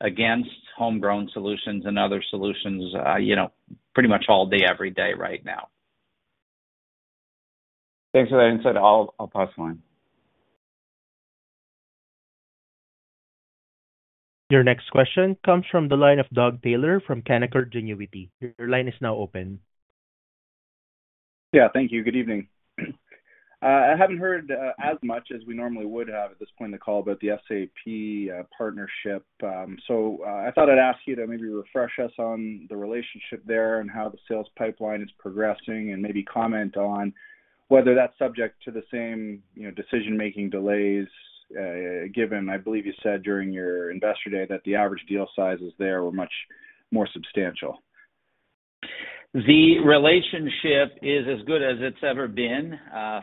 against homegrown solutions and other solutions, you know, pretty much all day, every day right now. Thanks for that insight. I'll pass the line. Your next question comes from the line of Doug Taylor from Canaccord Genuity. Your line is now open. Yeah, thank you. Good evening. I haven't heard as much as we normally would have at this point in the call about the SAP partnership. I thought I'd ask you to maybe refresh us on the relationship there and how the sales pipeline is progressing, and maybe comment on whether that's subject to the same, you know, decision-making delays, given, I believe you said during your investor day, that the average deal sizes there were much more substantial. The relationship is as good as it's ever been.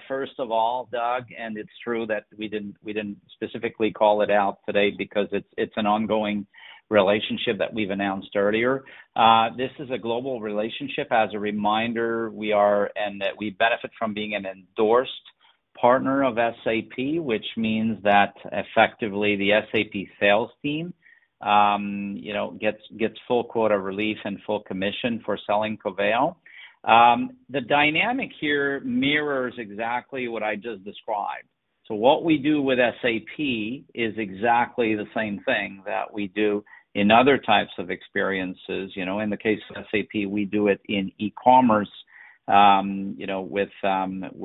First of all, Doug, it's true that we didn't specifically call it out today because it's an ongoing relationship that we've announced earlier. This is a global relationship. As a reminder, we are, and that we benefit from being an endorsed partner of SAP, which means that effectively the SAP sales team gets full quota relief and full commission for selling Coveo. The dynamic here mirrors exactly what I just described. So what we do with SAP is exactly the same thing that we do in other types of experiences. You know, in the case of SAP, we do it in e-commerce, you know, with the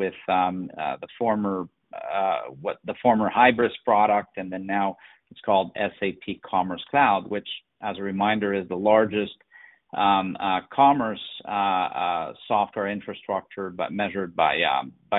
former Hybris product, and then now it's called SAP Commerce Cloud, which, as a reminder, is the largest commerce software infrastructure, but measured by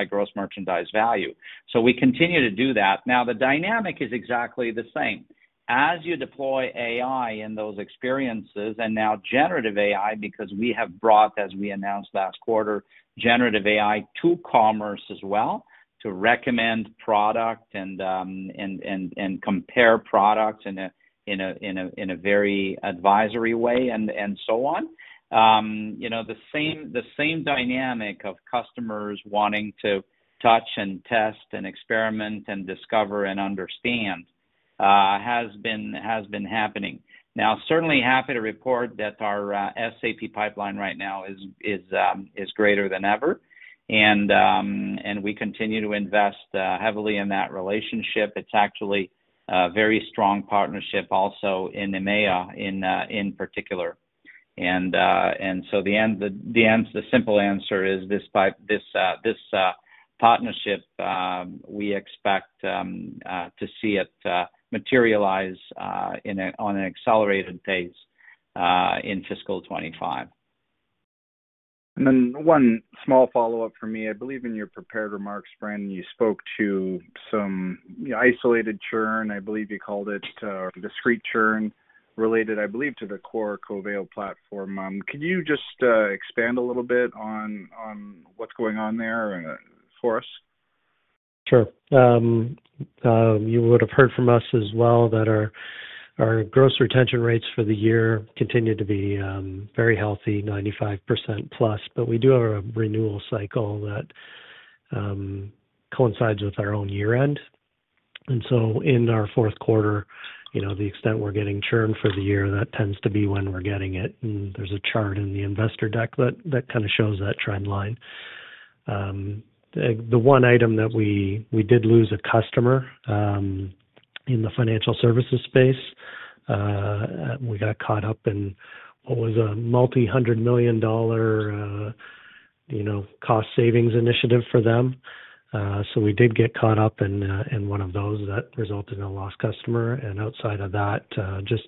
gross merchandise value. So we continue to do that. Now, the dynamic is exactly the same. As you deploy AI in those experiences, and now generative AI, because we have brought, as we announced last quarter, generative AI to commerce as well, to recommend product and compare products in a very advisory way and so on. You know, the same, the same dynamic of customers wanting to touch and test and experiment and discover and understand has been happening. Now, certainly happy to report that our SAP pipeline right now is greater than ever, and we continue to invest heavily in that relationship. It's actually a very strong partnership also in EMEA, in particular. And so the simple answer is, this partnership we expect to see it materialize on an accelerated pace in fiscal 2025. And then one small follow-up for me. I believe in your prepared remarks, Brandon, you spoke to some isolated churn, I believe you called it, discrete churn, related, I believe, to the core Coveo platform. Could you just expand a little bit on what's going on there, for us? Sure. You would have heard from us as well that our, our gross retention rates for the year continued to be very healthy, 95% plus. But we do have a renewal cycle that coincides with our own year-end. And so in our fourth quarter, you know, the extent we're getting churned for the year, that tends to be when we're getting it. And there's a chart in the investor deck that, that kind of shows that trend line. The, the one item that we, we did lose a customer in the financial services space, we got caught up in what was a $multi-hundred million, you know, cost savings initiative for them. So we did get caught up in one of those that resulted in a lost customer, and outside of that, just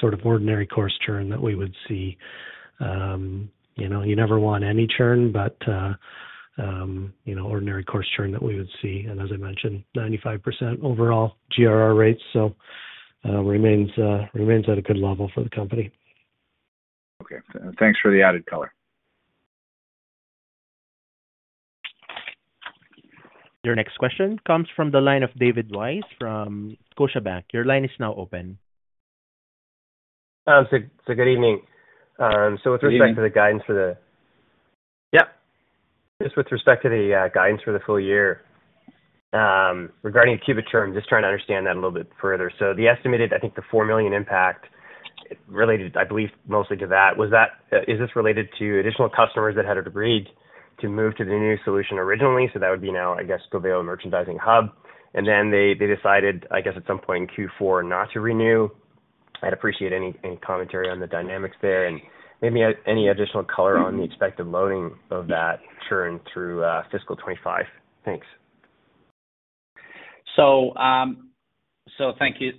sort of ordinary course churn that we would see. You know, you never want any churn, but you know, ordinary course churn that we would see. And as I mentioned, 95% overall GRR rates, so remains at a good level for the company. Okay. Thanks for the added color. Your next question comes from the line of David Weiss from Scotiabank. Your line is now open. So good evening. So with- Good evening. respect to the guidance for the Yep. Just with respect to the guidance for the full year, regarding the Qubit churn, just trying to understand that a little bit further. So the estimated, I think, the $4 million impact related, I believe, mostly to that, is this related to additional customers that had agreed to move to the new solution originally? So that would be now, I guess, Coveo Merchandising Hub. And then they, they decided, I guess, at some point in Q4 not to renew. I'd appreciate any, any commentary on the dynamics there, and maybe any additional color on the expected loading of that churn through, fiscal 2025. Thanks.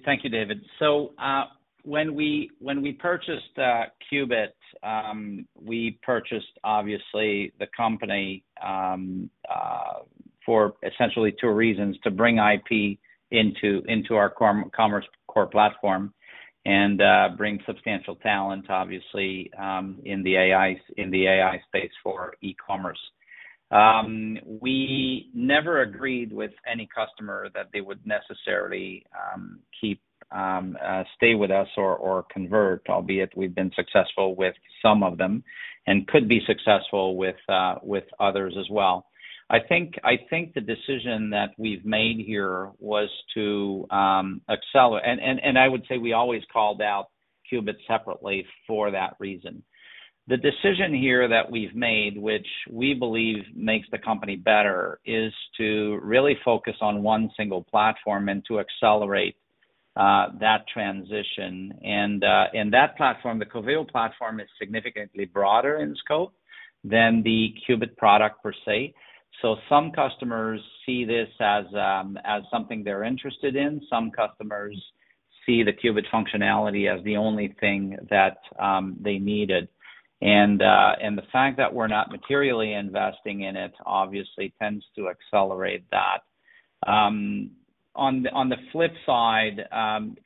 Thank you, David. When we purchased Qubit, we purchased obviously the company for essentially two reasons: to bring IP into our commerce core platform and bring substantial talent, obviously, in the AI space for e-commerce. We never agreed with any customer that they would necessarily keep or stay with us or convert, albeit we've been successful with some of them and could be successful with others as well. I think the decision that we've made here was to accelerate. And I would say we always called out Qubit separately for that reason. The decision here that we've made, which we believe makes the company better, is to really focus on one single platform and to accelerate that transition. And that platform, the Coveo platform, is significantly broader in scope than the Qubit product per se. So some customers see this as something they're interested in. Some customers see the Qubit functionality as the only thing that they needed. And the fact that we're not materially investing in it, obviously tends to accelerate that. On the flip side,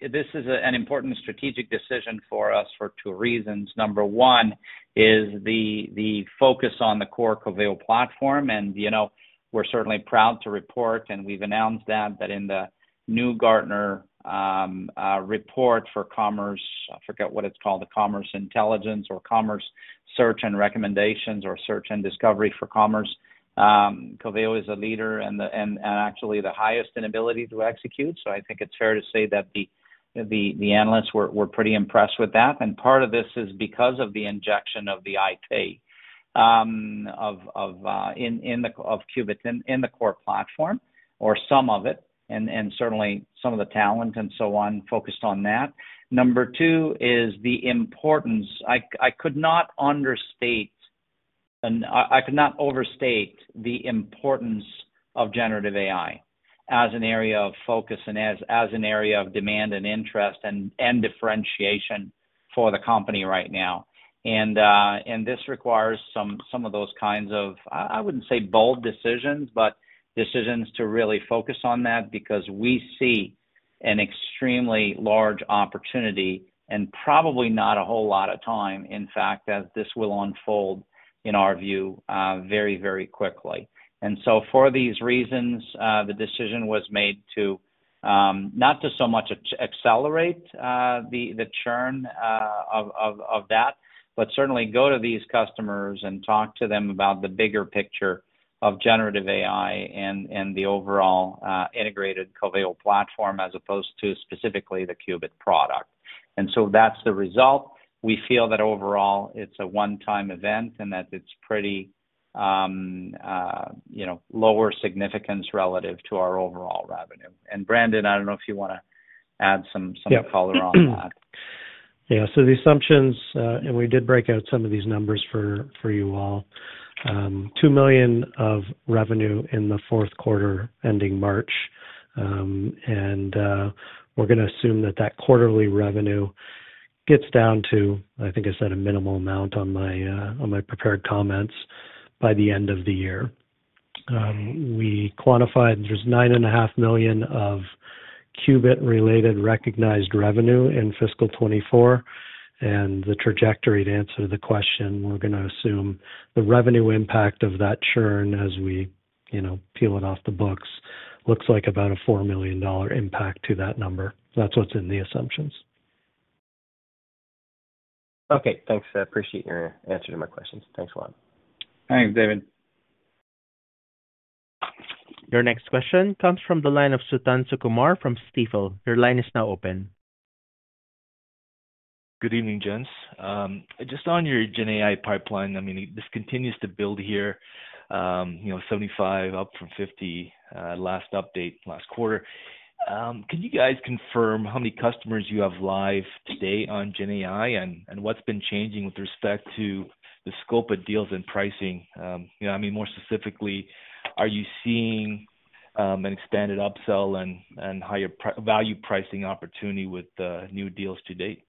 this is an important strategic decision for us for two reasons. Number one is the focus on the core Coveo platform, and, you know, we're certainly proud to report, and we've announced that in the new Gartner report for commerce. I forget what it's called, the commerce intelligence or commerce search and recommendations or search and discovery for commerce. Coveo is a leader and actually the highest in ability to execute. So I think it's fair to say that the analysts were pretty impressed with that. Part of this is because of the injection of the AI of Qubit in the core platform, or some of it, and certainly some of the talent and so on, focused on that. Number two is the importance I could not understate, and I could not overstate the importance of generative AI as an area of focus and as an area of demand and interest and differentiation for the company right now. This requires some of those kinds of, I wouldn't say bold decisions, but decisions to really focus on that, because we see an extremely large opportunity and probably not a whole lot of time, in fact, as this will unfold, in our view, very, very quickly. And so for these reasons, the decision was made to not so much accelerate the churn of that, but certainly go to these customers and talk to them about the bigger picture of generative AI and the overall integrated Coveo platform, as opposed to specifically the Qubit product. And so that's the result. We feel that overall it's a one-time event, and that it's pretty, you know, lower significance relative to our overall revenue. Brandon, I don't know if you wanna add some color on that. Yeah. So the assumptions, and we did break out some of these numbers for you all. $2 million of revenue in the fourth quarter, ending March. And we're gonna assume that quarterly revenue gets down to, I think I said, a minimal amount on my prepared comments, by the end of the year. We quantified there's $9.5 million of Qubit-related recognized revenue in fiscal 2024. And the trajectory, to answer the question, we're gonna assume the revenue impact of that churn as we, you know, peel it off the books, looks like about a $4 million impact to that number. So that's what's in the assumptions. Okay, thanks. I appreciate your answer to my questions. Thanks a lot. Thanks, David. Your next question comes from the line of Suthan Sukumar from Stifel. Your line is now open. Good evening, gents. Just on your GenAI pipeline, I mean, this continues to build here, you know, 75, up from 50, last update last quarter. Could you guys confirm how many customers you have live today on GenAI, and what's been changing with respect to the scope of deals and pricing? You know, I mean, more specifically, are you seeing an expanded upsell and higher price-value pricing opportunity with the new deals to date?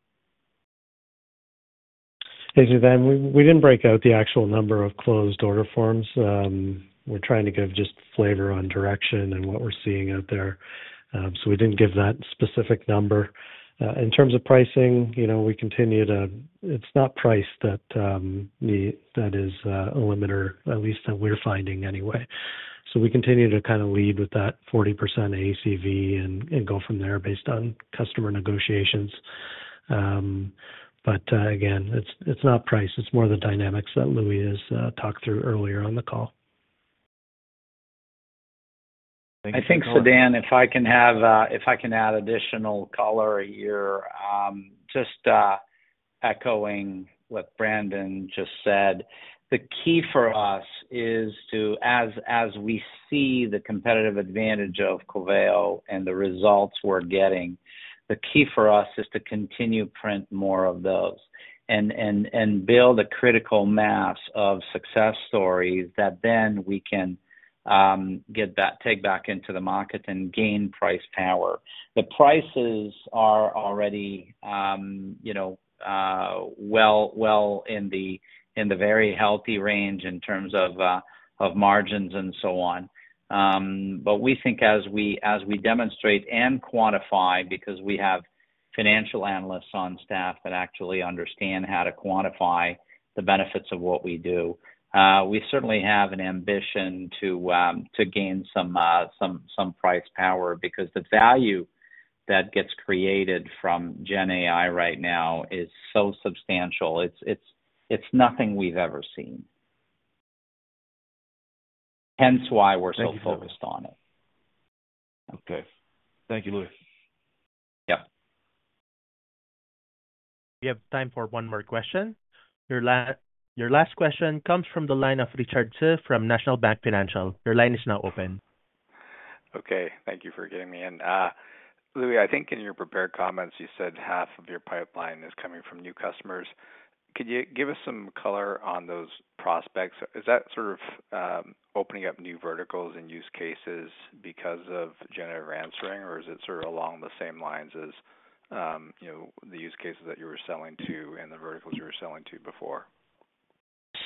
Hey, Suthan. We didn't break out the actual number of closed order forms. We're trying to give just flavor on direction and what we're seeing out there, so we didn't give that specific number. In terms of pricing, you know, we continue to—It's not price that need that is a limiter, at least that we're finding anyway. So we continue to kind of lead with that 40% ACV and go from there based on customer negotiations. But again, it's not price, it's more the dynamics that Louis Têtu has talked through earlier on the call. I think, Suthan, if I can add additional color here. Just echoing what Brandon just said, the key for us is to, as we see the competitive advantage of Coveo and the results we're getting, the key for us is to continue to print more of those and build a critical mass of success stories that then we can get that back into the market and gain price power. The prices are already, you know, well in the very healthy range in terms of margins and so on. But we think as we demonstrate and quantify, because we have financial analysts on staff that actually understand how to quantify the benefits of what we do. We certainly have an ambition to gain some price power, because the value that gets created from Gen AI right now is so substantial. It's nothing we've ever seen. Hence, why we're so focused on it. Okay. Thank you, Louis. Yeah. We have time for one more question. Your last, your last question comes from the line of Richard Tse from National Bank Financial. Your line is now open. Okay. Thank you for getting me in. Louis, I think in your prepared comments, you said half of your pipeline is coming from new customers. Could you give us some color on those prospects? Is that sort of opening up new verticals and use cases because of generative answering, or is it sort of along the same lines as, you know, the use cases that you were selling to and the verticals you were selling to before?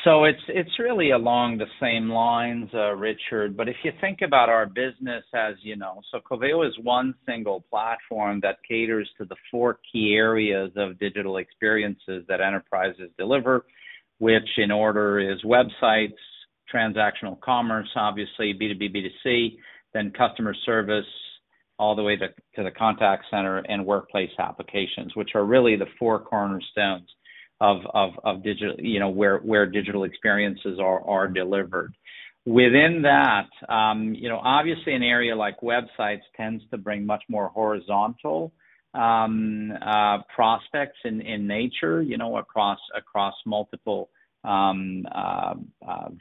So it's really along the same lines, Richard, but if you think about our business, as you know, so Coveo is one single platform that caters to the four key areas of digital experiences that enterprises deliver, which in order is websites, transactional commerce, obviously B2B, B2C, then customer service, all the way to the contact center and workplace applications, which are really the four cornerstones of digital, you know, where digital experiences are delivered. Within that, you know, obviously an area like websites tends to bring much more horizontal prospects in nature, you know, across multiple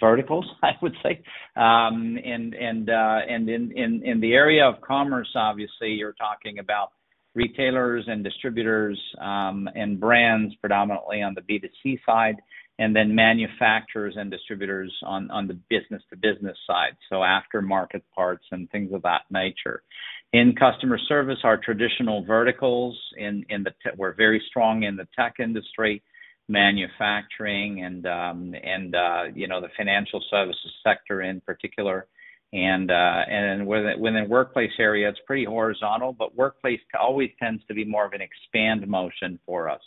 verticals, I would say. In the area of commerce, obviously, you're talking about retailers and distributors, and brands, predominantly on the B2C side, and then manufacturers and distributors on the business-to-business side, so aftermarket parts and things of that nature. In customer service, our traditional verticals, we're very strong in the tech industry, manufacturing and you know, the financial services sector in particular. And within the workplace area, it's pretty horizontal, but workplace always tends to be more of an expand motion for us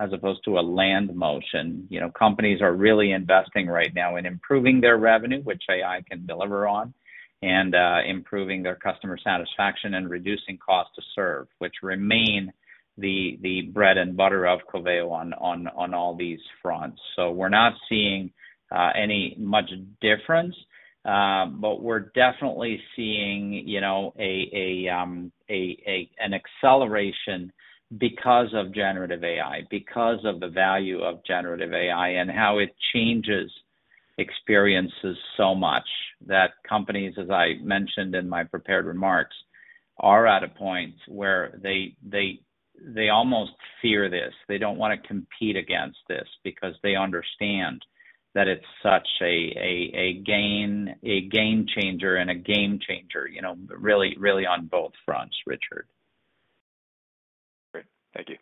as opposed to a land motion. You know, companies are really investing right now in improving their revenue, which AI can deliver on, and improving their customer satisfaction and reducing cost to serve, which remain the bread and butter of Coveo on all these fronts. So we're not seeing much difference, but we're definitely seeing, you know, an acceleration because of generative AI, because of the value of generative AI and how it changes experiences so much, that companies, as I mentioned in my prepared remarks, are at a point where they almost fear this. They don't wanna compete against this because they understand that it's such a game changer, you know, really, really on both fronts, Richard. Great. Thank you.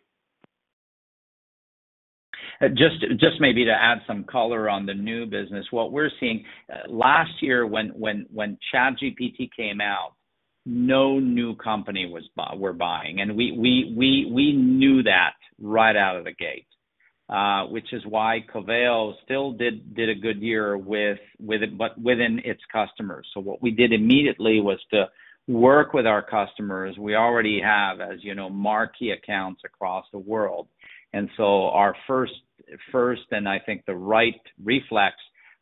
Just maybe to add some color on the new business, what we're seeing, last year when ChatGPT came out, no new company were buying. And we knew that right out of the gate, which is why Coveo still did a good year with it, but within its customers. So what we did immediately was to work with our customers. We already have, as you know, marquee accounts across the world. And so our first, and I think the right reflex,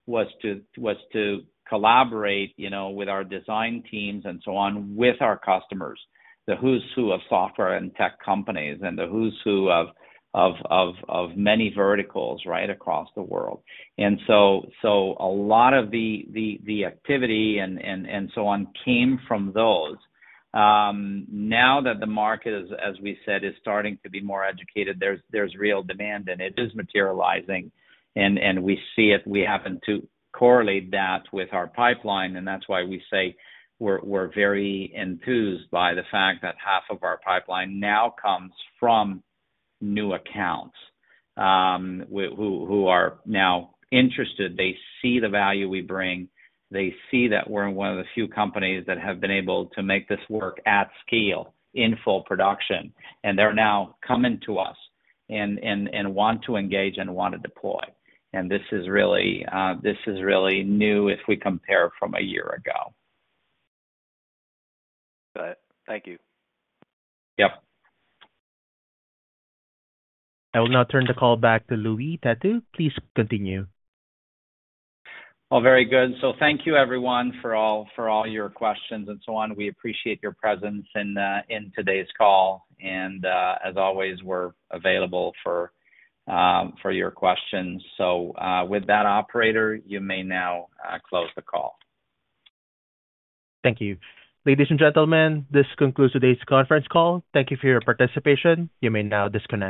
was to collaborate, you know, with our design teams and so on, with our customers, the who's who of software and tech companies and the who's who of many verticals, right, across the world. So a lot of the activity and so on came from those. Now that the market is, as we said, starting to be more educated, there's real demand, and it is materializing, and we see it. We happen to correlate that with our pipeline, and that's why we say we're very enthused by the fact that half of our pipeline now comes from new accounts, who are now interested. They see the value we bring. They see that we're one of the few companies that have been able to make this work at scale, in full production, and they're now coming to us and want to engage and want to deploy. And this is really new if we compare from a year ago. Good. Thank you. Yep. I will now turn the call back to Louis Têtu. Please continue. Oh, very good. So thank you, everyone, for all, for all your questions and so on. We appreciate your presence in today's call, and as always, we're available for your questions. So, with that, operator, you may now close the call. Thank you. Ladies and gentlemen, this concludes today's conference call. Thank you for your participation. You may now disconnect.